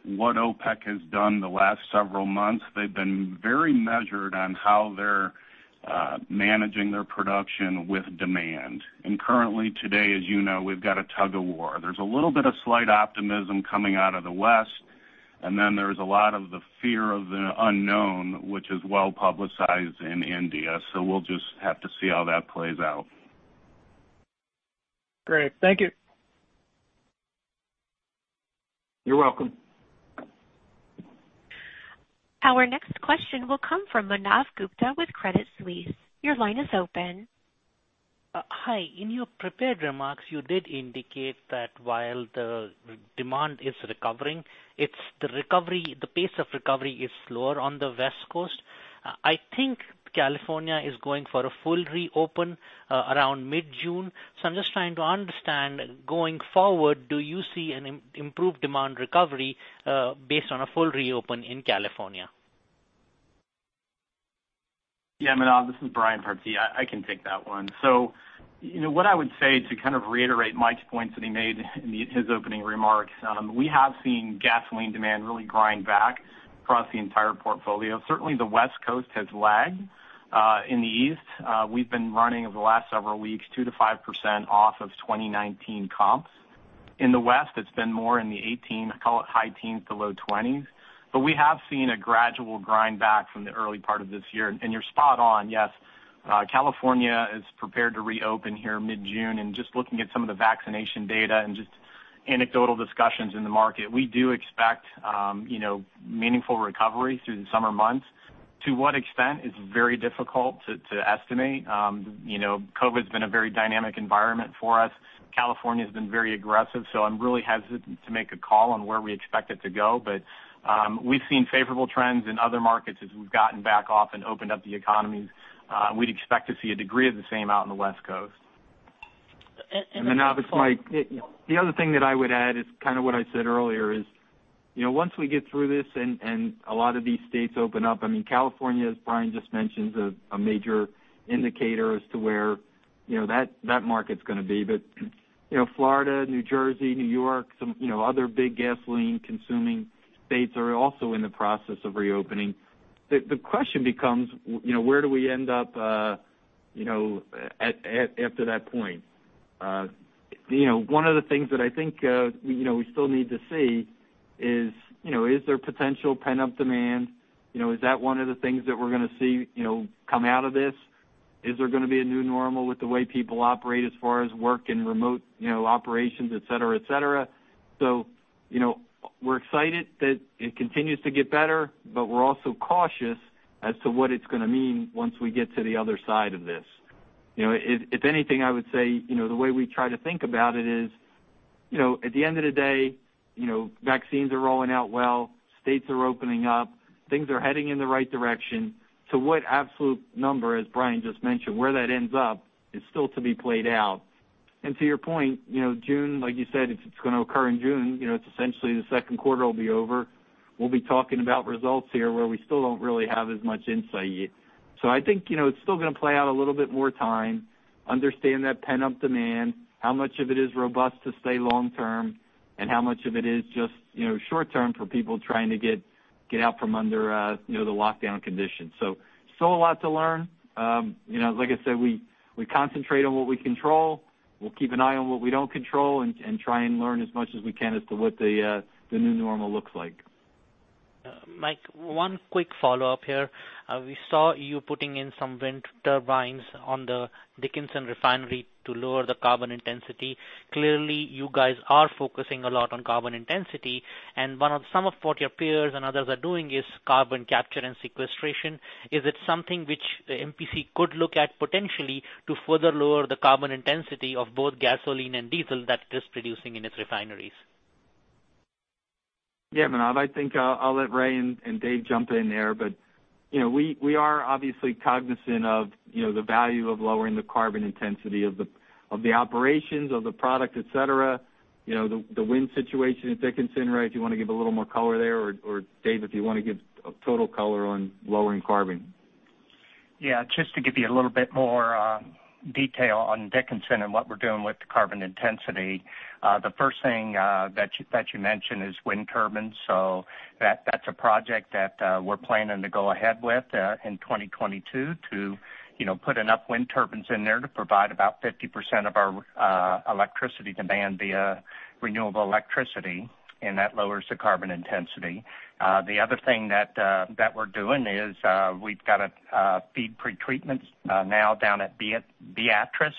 Speaker 12: what OPEC has done the last several months, they've been very measured on how they're managing their production with demand. Currently today, as you know, we've got a tug-of-war. There's a little bit of slight optimism coming out of the West, and then there's a lot of the fear of the unknown, which is well-publicized in India. We'll just have to see how that plays out.
Speaker 10: Great. Thank you.
Speaker 3: You're welcome.
Speaker 1: Our next question will come from Manav Gupta with Credit Suisse. Your line is open.
Speaker 13: Hi. In your prepared remarks, you did indicate that while the demand is recovering, the pace of recovery is slower on the West Coast. I think California is going for a full reopen around mid-June. I'm just trying to understand, going forward, do you see an improved demand recovery based on a full reopen in California?
Speaker 11: Yeah, Manav Gupta, this is Brian Partee. I can take that one. What I would say to kind of reiterate Mike's points that he made in his opening remarks, we have seen gasoline demand really grind back across the entire portfolio. Certainly, the West Coast has lagged. In the East, we've been running, over the last several weeks, 2%-5% off of 2019 comps. In the West, it's been more in the 18, call it high teens to low 20s. We have seen a gradual grind back from the early part of this year. You're spot on. Yes, California is prepared to reopen here mid-June, and just looking at some of the vaccination data and just anecdotal discussions in the market, we do expect meaningful recovery through the summer months. To what extent is very difficult to estimate. COVID-19's been a very dynamic environment for us. California's been very aggressive, so I'm really hesitant to make a call on where we expect it to go. We've seen favorable trends in other markets as we've gotten back off and opened up the economies. We'd expect to see a degree of the same out in the West Coast.
Speaker 13: And-
Speaker 3: Manav, it's Mike. The other thing that I would add is kind of what I said earlier is, once we get through this and a lot of these states open up, I mean, California, as Brian just mentioned, is a major indicator as to where that market's going to be. Florida, New Jersey, New York, some other big gasoline-consuming states are also in the process of reopening. The question becomes, where do we end up after that point? One of the things that I think we still need to see is there potential pent-up demand? Is that one of the things that we're going to see come out of this? Is there going to be a new normal with the way people operate as far as work and remote operations, et cetera? We're excited that it continues to get better, but we're also cautious as to what it's going to mean once we get to the other side of this. If anything, I would say the way we try to think about it is, at the end of the day, vaccines are rolling out well, states are opening up, things are heading in the right direction. To what absolute number, as Brian just mentioned, where that ends up is still to be played out. To your point, June, like you said, if it's going to occur in June, it's essentially the second quarter will be over. We'll be talking about results here where we still don't really have as much insight yet. I think it's still going to play out a little bit more time, understand that pent-up demand, how much of it is robust to stay long-term, and how much of it is just short-term for people trying to get out from under the lockdown conditions. Still a lot to learn. Like I said, we concentrate on what we control. We'll keep an eye on what we don't control and try and learn as much as we can as to what the new normal looks like.
Speaker 13: Mike, one quick follow-up here. We saw you putting in some wind turbines on the Dickinson refinery to lower the carbon intensity. Some of what your peers and others are doing is carbon capture and sequestration. Is it something which MPC could look at potentially to further lower the carbon intensity of both gasoline and diesel that it is producing in its refineries?
Speaker 3: Manav, I think I'll let Ray and Dave jump in there. We are obviously cognizant of the value of lowering the carbon intensity of the operations, of the product, et cetera. The wind situation at Dickinson, Ray, do you want to give a little more color there, or Dave, if you want to give total color on lowering carbon?
Speaker 6: Just to give you a little bit more detail on Dickinson and what we're doing with the carbon intensity. The first thing that you mentioned is wind turbines. That's a project that we're planning to go ahead with in 2022 to put enough wind turbines in there to provide about 50% of our electricity demand via renewable electricity, and that lowers the carbon intensity. The other thing that we're doing is we've got a feed pretreatment now down at Beatrice,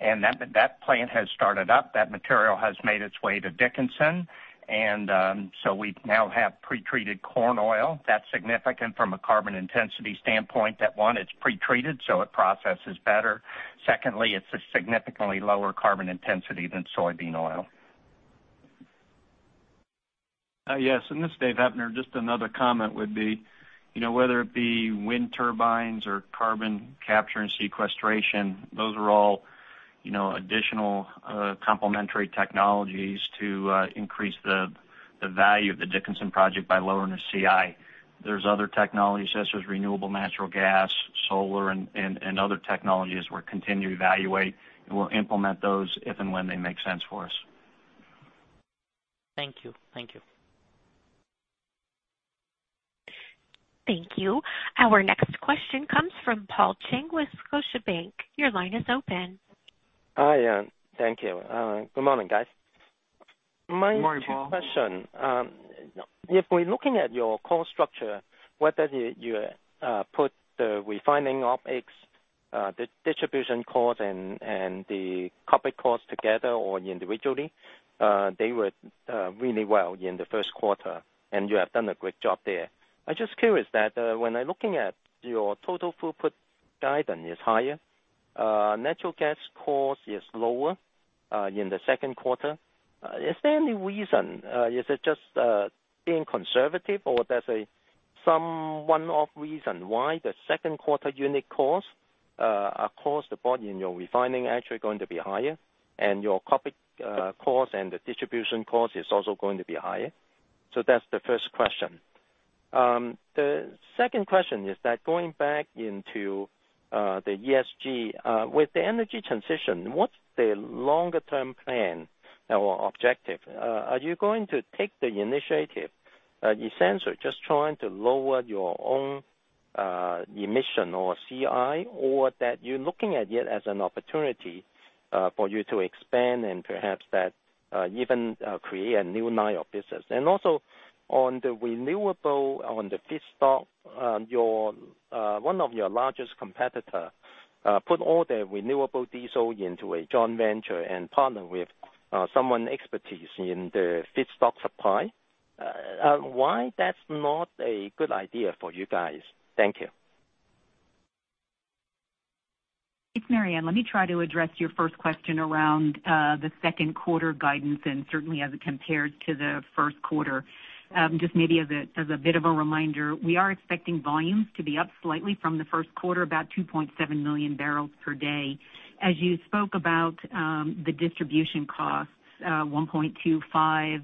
Speaker 6: and that plant has started up. That material has made its way to Dickinson. We now have pretreated corn oil. That's significant from a carbon intensity standpoint. That one, it's pretreated, so it processes better. Secondly, it's a significantly lower carbon intensity than soybean oil.
Speaker 14: Yes, this is Dave Heppner. Just another comment would be, whether it be wind turbines or carbon capture and sequestration, those are all additional complementary technologies to increase the value of the Dickinson project by lowering the CI. There's other technologies such as renewable natural gas, solar, and other technologies we'll continue to evaluate, and we'll implement those if and when they make sense for us.
Speaker 13: Thank you.
Speaker 1: Thank you. Our next question comes from Paul Cheng with Scotiabank. Your line is open.
Speaker 15: Hi. Thank you. Good morning, guys.
Speaker 3: Good morning, Paul.
Speaker 15: My question. If we're looking at your cost structure, whether you put the refining OpEx, the distribution cost, and the CapEx cost together or individually, they were really well in the first quarter, and you have done a great job there. I'm just curious that when I'm looking at your total throughput guidance is higher, natural gas cost is lower in the second quarter. Is there any reason? Is it just being conservative, or there's some one-off reason why the second quarter unit costs across the board in your refining actually going to be higher and your CapEx cost and the distribution cost is also going to be higher? That's the first question. The second question is that going back into the ESG, with the energy transition, what's the longer-term plan or objective? Are you going to take the initiative, in a sense, or just trying to lower your own emission or CI, or that you're looking at it as an opportunity for you to expand and perhaps even create a new line of business? Also on the renewable, on the feedstock, one of your largest competitor put all their renewable diesel into a joint venture and partner with someone expertise in the feedstock supply. Why that's not a good idea for you guys? Thank you.
Speaker 4: It's Maryann. Let me try to address your first question around the second quarter guidance and certainly as it compares to the first quarter. Just maybe as a bit of a reminder, we are expecting volumes to be up slightly from the first quarter, about 2.7 million barrels per day. As you spoke about the distribution costs, $1.25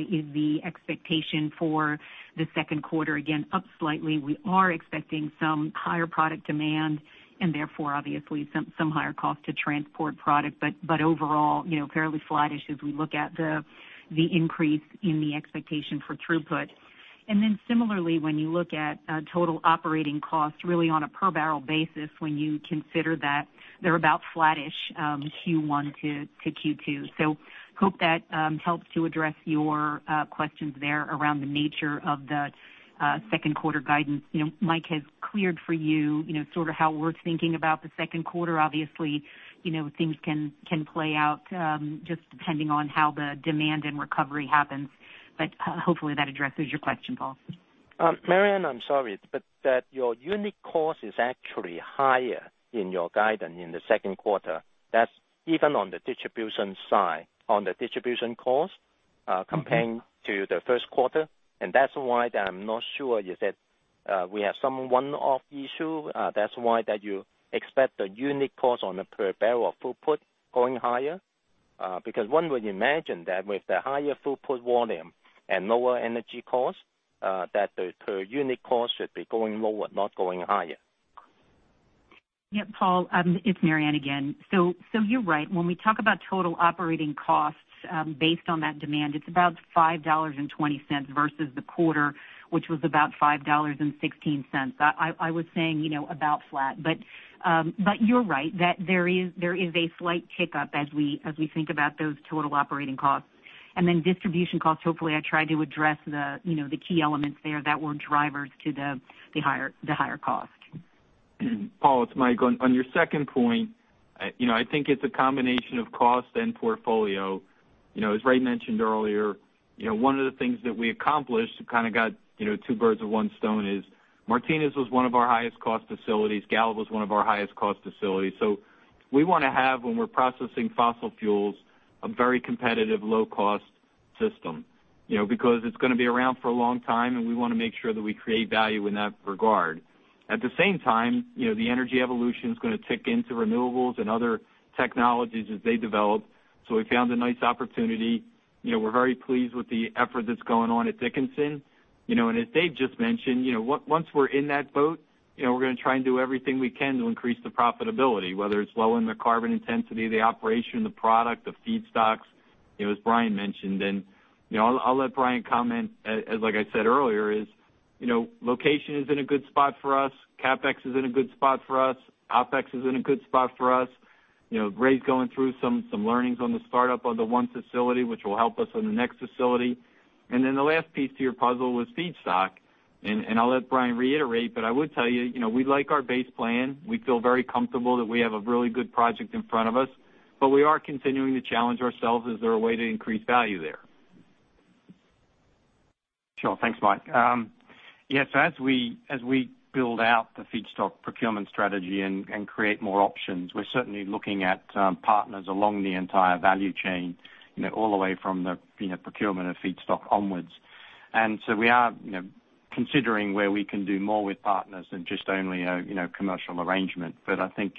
Speaker 4: is the expectation for the second quarter. Again, up slightly. We are expecting some higher product demand and therefore obviously some higher cost to transport product. Overall, fairly flat-ish as we look at the increase in the expectation for throughput. Similarly, when you look at total operating costs really on a per-barrel basis, when you consider that they're about flat-ish Q1 to Q2. Hope that helps to address your questions there around the nature of the second quarter guidance. Mike has cleared for you sort of how we're thinking about the second quarter. Obviously, things can play out just depending on how the demand and recovery happens. Hopefully that addresses your question, Paul.
Speaker 15: Maryann, I'm sorry, that your unit cost is actually higher in your guidance in the second quarter. That's even on the distribution side, on the distribution cost comparing to the first quarter. That's why that I'm not sure you said we have some one-off issue. That's why that you expect the unit cost on a per barrel of throughput going higher. One would imagine that with the higher throughput volume and lower energy cost, that the per unit cost should be going lower, not going higher.
Speaker 4: Paul, it's Maryann again. You're right. When we talk about total operating costs based on that demand, it's about $5.20 versus the quarter, which was about $5.16. I was saying about flat. You're right, that there is a slight tick up as we think about those total operating costs. Distribution costs, hopefully I tried to address the key elements there that were drivers to the higher cost.
Speaker 3: Paul, it's Mike. On your second point, I think it's a combination of cost and portfolio. As Ray mentioned earlier, one of the things that we accomplished, kind of got two birds with one stone is Martinez was one of our highest cost facilities. Gallup was one of our highest cost facilities. We want to have, when we're processing fossil fuels, a very competitive low cost system, because it's going to be around for a long time, and we want to make sure that we create value in that regard. At the same time, the energy evolution is going to tick into renewables and other technologies as they develop. We found a nice opportunity. We're very pleased with the effort that's going on at Dickinson. As Dave just mentioned, once we're in that boat, we're going to try and do everything we can to increase the profitability, whether it's lowering the carbon intensity of the operation, the product, the feedstocks, as Brian mentioned. I'll let Brian comment, as like I said earlier, location is in a good spot for us. CapEx is in a good spot for us. OpEx is in a good spot for us. Ray's going through some learnings on the startup on the one facility, which will help us on the next facility. The last piece to your puzzle was feedstock, and I'll let Brian reiterate, but I would tell you, we like our base plan. We feel very comfortable that we have a really good project in front of us, but we are continuing to challenge ourselves. Is there a way to increase value there?
Speaker 8: Sure. Thanks, Mike. Yeah. As we build out the feedstock procurement strategy and create more options, we're certainly looking at partners along the entire value chain all the way from the procurement of feedstock onwards. We are considering where we can do more with partners than just only a commercial arrangement. I think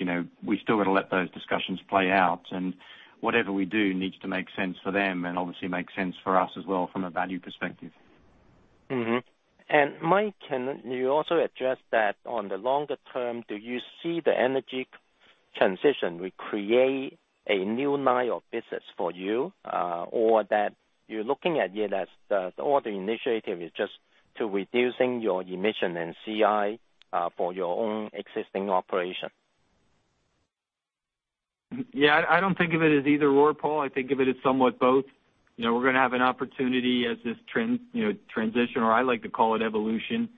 Speaker 8: we still got to let those discussions play out and whatever we do needs to make sense for them and obviously make sense for us as well from a value perspective.
Speaker 15: Mike, can you also address that on the longer term, do you see the energy transition will create a new line of business for you? Or that you're looking at it as all the initiative is just to reducing your emission and CI for your own existing operation?
Speaker 3: Yeah, I don't think of it as either/or, Paul. I think of it as somewhat both. We're going to have an opportunity as this transition, or I like to call it evolution,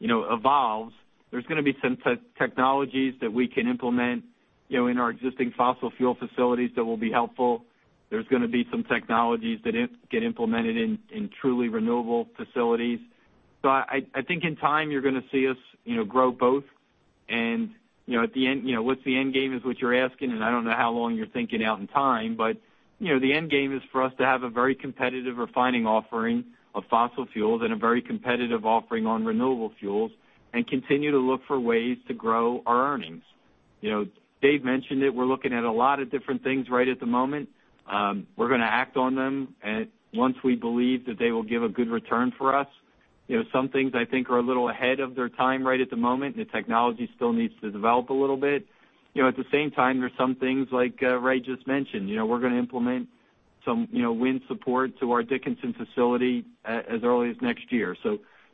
Speaker 3: evolves. There's going to be some technologies that we can implement in our existing fossil fuel facilities that will be helpful. There's going to be some technologies that get implemented in truly renewable facilities. I think in time you're going to see us grow both. What's the end game is what you're asking, and I don't know how long you're thinking out in time, but the end game is for us to have a very competitive refining offering of fossil fuels and a very competitive offering on renewable fuels and continue to look for ways to grow our earnings. Dave mentioned it. We're looking at a lot of different things right at the moment. We're going to act on them once we believe that they will give a good return for us. Some things I think are a little ahead of their time right at the moment, and the technology still needs to develop a little bit. At the same time, there's some things like Ray just mentioned. We're going to implement some wind support to our Dickinson facility as early as next year.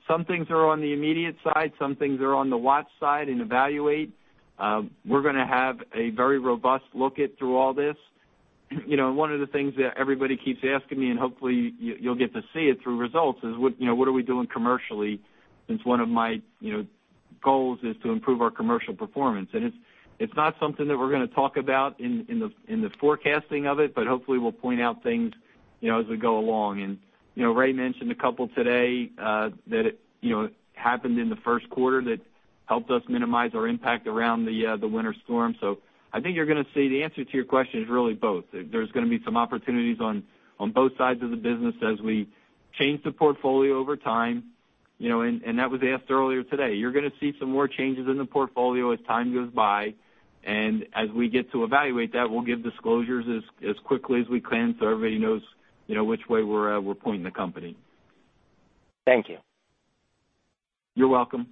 Speaker 3: Some things are on the immediate side. Some things are on the watch side and evaluate. We're going to have a very robust look at through all this. One of the things that everybody keeps asking me, and hopefully you'll get to see it through results, is what are we doing commercially since one of my goals is to improve our commercial performance. It's not something that we're going to talk about in the forecasting of it, but hopefully we'll point out things as we go along. Ray mentioned a couple today that happened in the first quarter that helped us minimize our impact around the winter storm. I think you're going to see the answer to your question is really both. There's going to be some opportunities on both sides of the business as we change the portfolio over time. That was asked earlier today. You're going to see some more changes in the portfolio as time goes by, and as we get to evaluate that, we'll give disclosures as quickly as we can so everybody knows which way we're pointing the company.
Speaker 15: Thank you.
Speaker 3: You're welcome.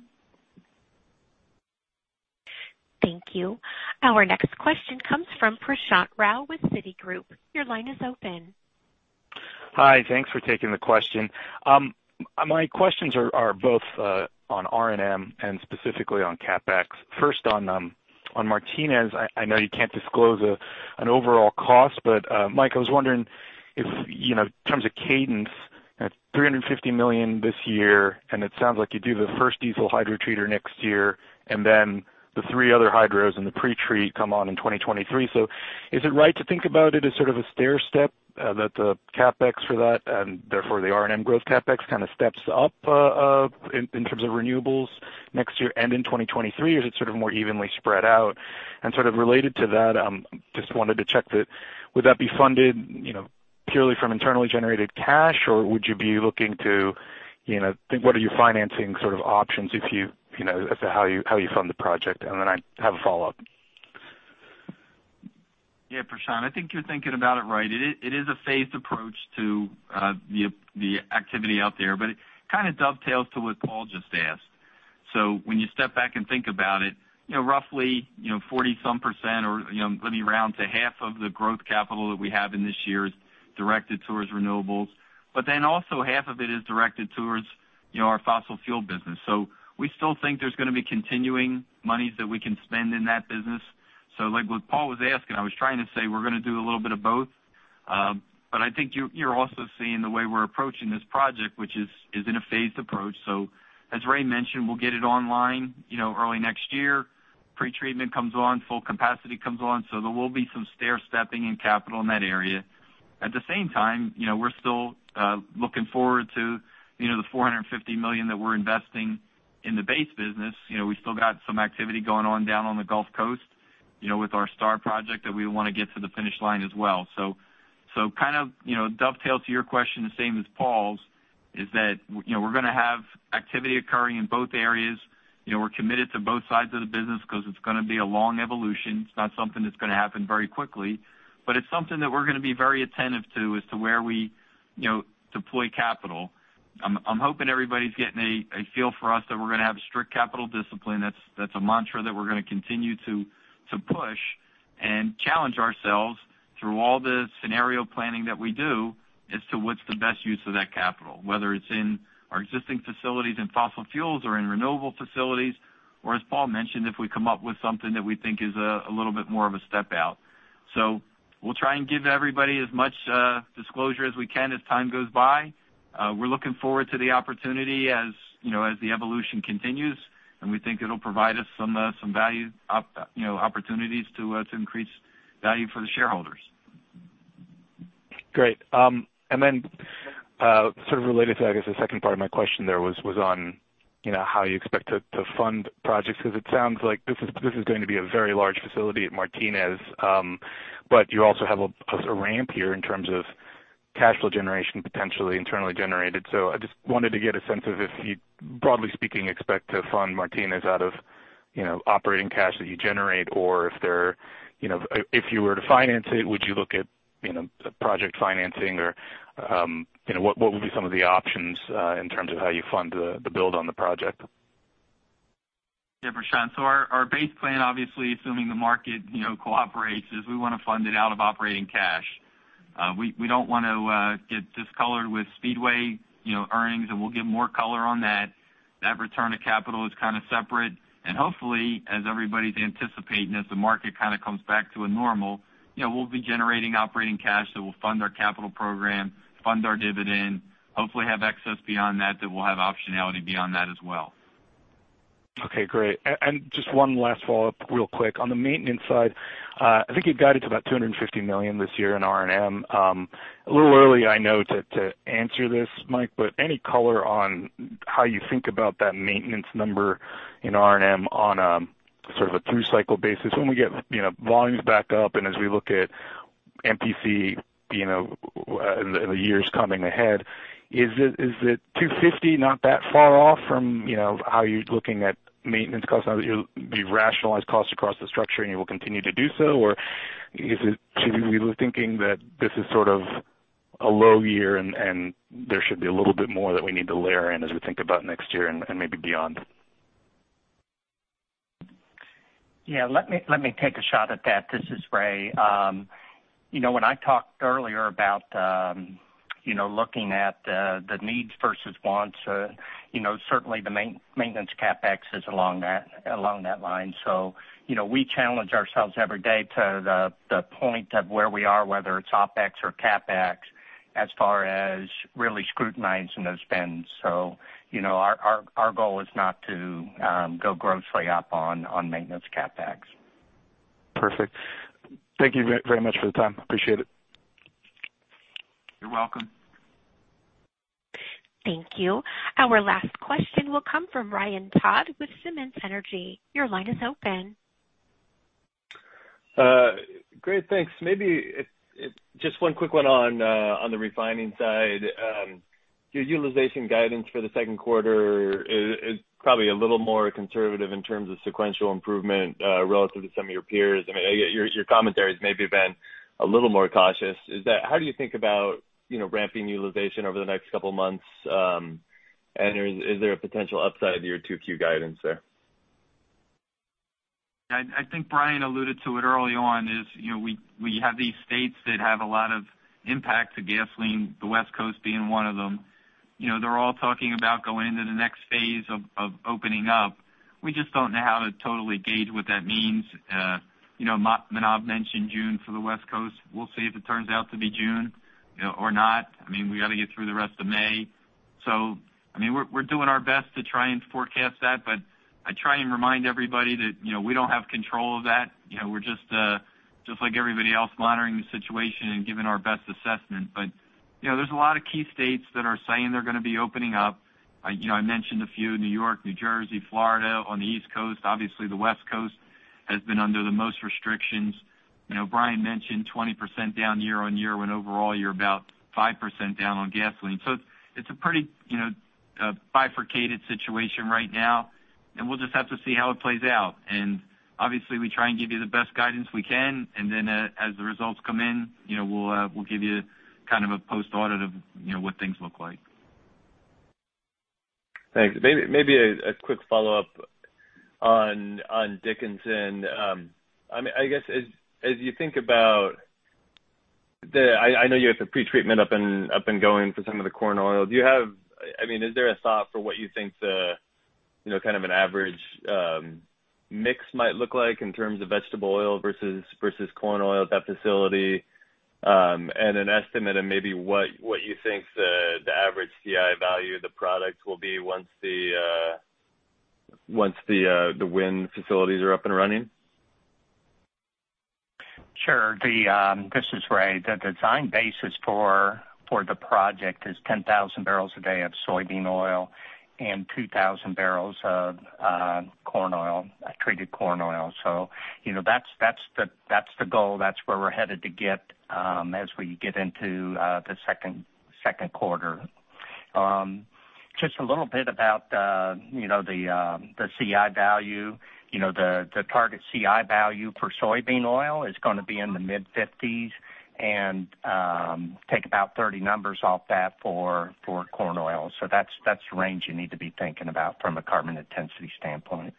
Speaker 1: Thank you. Our next question comes from Prashant Rao with Citigroup. Your line is open.
Speaker 16: Hi. Thanks for taking the question. My questions are both on R&M and specifically on CapEx. First on Martinez, I know you can't disclose an overall cost, but Mike, I was wondering if in terms of cadence at $350 million this year, and it sounds like you do the first diesel hydrotreater next year and then the three other hydros and the pretreat come on in 2023. Is it right to think about it as sort of a stairstep that the CapEx for that and therefore the R&M growth CapEx kind of steps up in terms of renewables next year and in 2023? Is it sort of more evenly spread out? Sort of related to that, just wanted to check that would that be funded purely from internally generated cash, or would you be looking to what are your financing sort of options as to how you fund the project? I have a follow-up.
Speaker 3: Yeah, Prashant, I think you're thinking about it right. It is a phased approach to the activity out there, but it kind of dovetails to what Paul just asked. When you step back and think about it, roughly 40-some%, or let me round to half of the growth capital that we have in this year is directed towards renewables. Also half of it is directed towards our fossil fuel business. We still think there's going to be continuing monies that we can spend in that business. like what Paul was asking, I was trying to say we're going to do a little bit of both. I think you're also seeing the way we're approaching this project, which is in a phased approach. As Ray mentioned, we'll get it online early next year. Pre-treatment comes on, full capacity comes on. There will be some stair stepping in capital in that area. At the same time, we're still looking forward to the $450 million that we're investing in the base business. We still got some activity going on down on the Gulf Coast, with our STAR project that we want to get to the finish line as well. Dovetail to your question, the same as Paul's, is that we're going to have activity occurring in both areas. We're committed to both sides of the business because it's going to be a long evolution. It's not something that's going to happen very quickly, but it's something that we're going to be very attentive to as to where we deploy capital. I'm hoping everybody's getting a feel for us that we're going to have strict capital discipline. That's a mantra that we're going to continue to push and challenge ourselves through all the scenario planning that we do as to what's the best use of that capital, whether it's in our existing facilities in fossil fuels or in renewable facilities, or as Paul mentioned, if we come up with something that we think is a little bit more of a step out. We'll try and give everybody as much disclosure as we can as time goes by. We're looking forward to the opportunity as the evolution continues, and we think it'll provide us some value opportunities to increase value for the shareholders.
Speaker 16: Great. Sort of related to, I guess, the second part of my question there was on how you expect to fund projects, because it sounds like this is going to be a very large facility at Martinez. You also have a ramp here in terms of cash flow generation potentially internally generated. I just wanted to get a sense of if you, broadly speaking, expect to fund Martinez out of operating cash that you generate, or if you were to finance it, would you look at project financing or what would be some of the options in terms of how you fund the build on the project?
Speaker 3: Yeah, Prashant. Our base plan, obviously, assuming the market cooperates, is we want to fund it out of operating cash. We don't want to get discolored with Speedway earnings, and we'll give more color on that. That return of capital is kind of separate. Hopefully, as everybody's anticipating, as the market kind of comes back to a normal, we'll be generating operating cash that will fund our capital program, fund our dividend, hopefully have excess beyond that will have optionality beyond that as well.
Speaker 16: Okay, great. Just one last follow-up real quick. On the maintenance side, I think you guided to about $250 million this year in R&M. A little early, I know, to answer this, Mike, any color on how you think about that maintenance number in R&M on a sort of a through cycle basis when we get volumes back up and as we look at MPC in the years coming ahead? Is it $250 not that far off from how you're looking at maintenance costs now that you've rationalized costs across the structure and you will continue to do so? Should we be thinking that this is sort of a low year and there should be a little bit more that we need to layer in as we think about next year and maybe beyond?
Speaker 6: Yeah. Let me take a shot at that. This is Ray. When I talked earlier about looking at the needs versus wants, certainly the maintenance CapEx is along that line. We challenge ourselves every day to the point of where we are, whether it's OpEx or CapEx, as far as really scrutinizing those spends. Our goal is not to go grossly up on maintenance CapEx.
Speaker 16: Perfect. Thank you very much for the time. Appreciate it.
Speaker 3: You're welcome.
Speaker 1: Thank you. Our last question will come from Ryan Todd with Simmons Energy. Your line is open.
Speaker 17: Great. Thanks. Maybe just one quick one on the refining side. Your utilization guidance for the second quarter is probably a little more conservative in terms of sequential improvement relative to some of your peers. I mean, your commentary has maybe been a little more cautious. How do you think about ramping utilization over the next couple of months? Is there a potential upside to your 2Q guidance there?
Speaker 3: I think Brian alluded to it early on, is we have these states that have a lot of impact to gasoline, the West Coast being one of them. They're all talking about going into the next phase of opening up. We just don't know how to totally gauge what that means. Manav mentioned June for the West Coast. We'll see if it turns out to be June or not. I mean, we got to get through the rest of May. We're doing our best to try and forecast that, but I try and remind everybody that we don't have control of that. We're just like everybody else, monitoring the situation and giving our best assessment. There's a lot of key states that are saying they're going to be opening up. I mentioned a few, New York, New Jersey, Florida on the East Coast. Obviously, the West Coast has been under the most restrictions. Brian mentioned 20% down year-on-year when overall you're about 5% down on gasoline. It's a pretty bifurcated situation right now, and we'll just have to see how it plays out. Obviously, we try and give you the best guidance we can, and then as the results come in, we'll give you kind of a post audit of what things look like.
Speaker 17: Thanks. Maybe a quick follow-up on Dickinson. I know you have the pretreatment up and going for some of the corn oil. Is there a thought for what you think the kind of an average mix might look like in terms of vegetable oil versus corn oil at that facility, and an estimate of maybe what you think the average CI value of the product will be once the wind facilities are up and running.
Speaker 6: Sure. This is Ray. The design basis for the project is 10,000 barrels a day of soybean oil and 2,000 barrels of treated corn oil. That's the goal. That's where we're headed to get as we get into the second quarter. Just a little bit about the CI value. The target CI value for soybean oil is going to be in the mid-fifties and take about 30 numbers off that for corn oil. That's the range you need to be thinking about from a carbon intensity standpoint.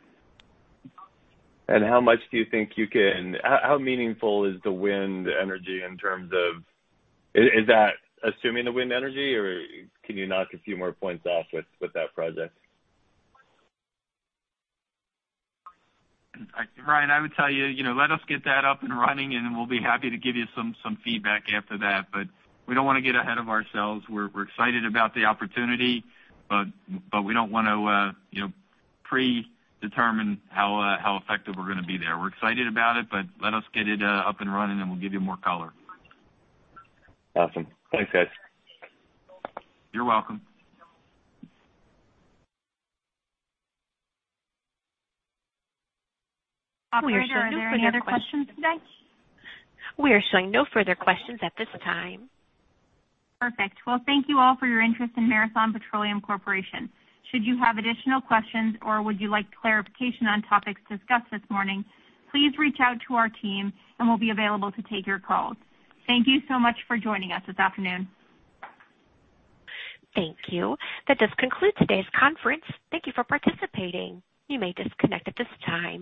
Speaker 17: How much do you think how meaningful is the wind energy in terms of? Is that assuming the wind energy, or can you knock a few more points off with that project?
Speaker 3: Ryan, I would tell you, let us get that up and running, and we'll be happy to give you some feedback after that. We don't want to get ahead of ourselves. We're excited about the opportunity, but we don't want to predetermine how effective we're going to be there. We're excited about it, but let us get it up and running, and we'll give you more color.
Speaker 17: Awesome. Thanks, guys.
Speaker 3: You're welcome.
Speaker 2: Operator, are there any other questions today?
Speaker 1: We are showing no further questions at this time.
Speaker 2: Perfect. Well, thank you all for your interest in Marathon Petroleum Corporation. Should you have additional questions or would you like clarification on topics discussed this morning, please reach out to our team, and we'll be available to take your calls. Thank you so much for joining us this afternoon.
Speaker 1: Thank you. That does conclude today's conference. Thank you for participating. You may disconnect at this time.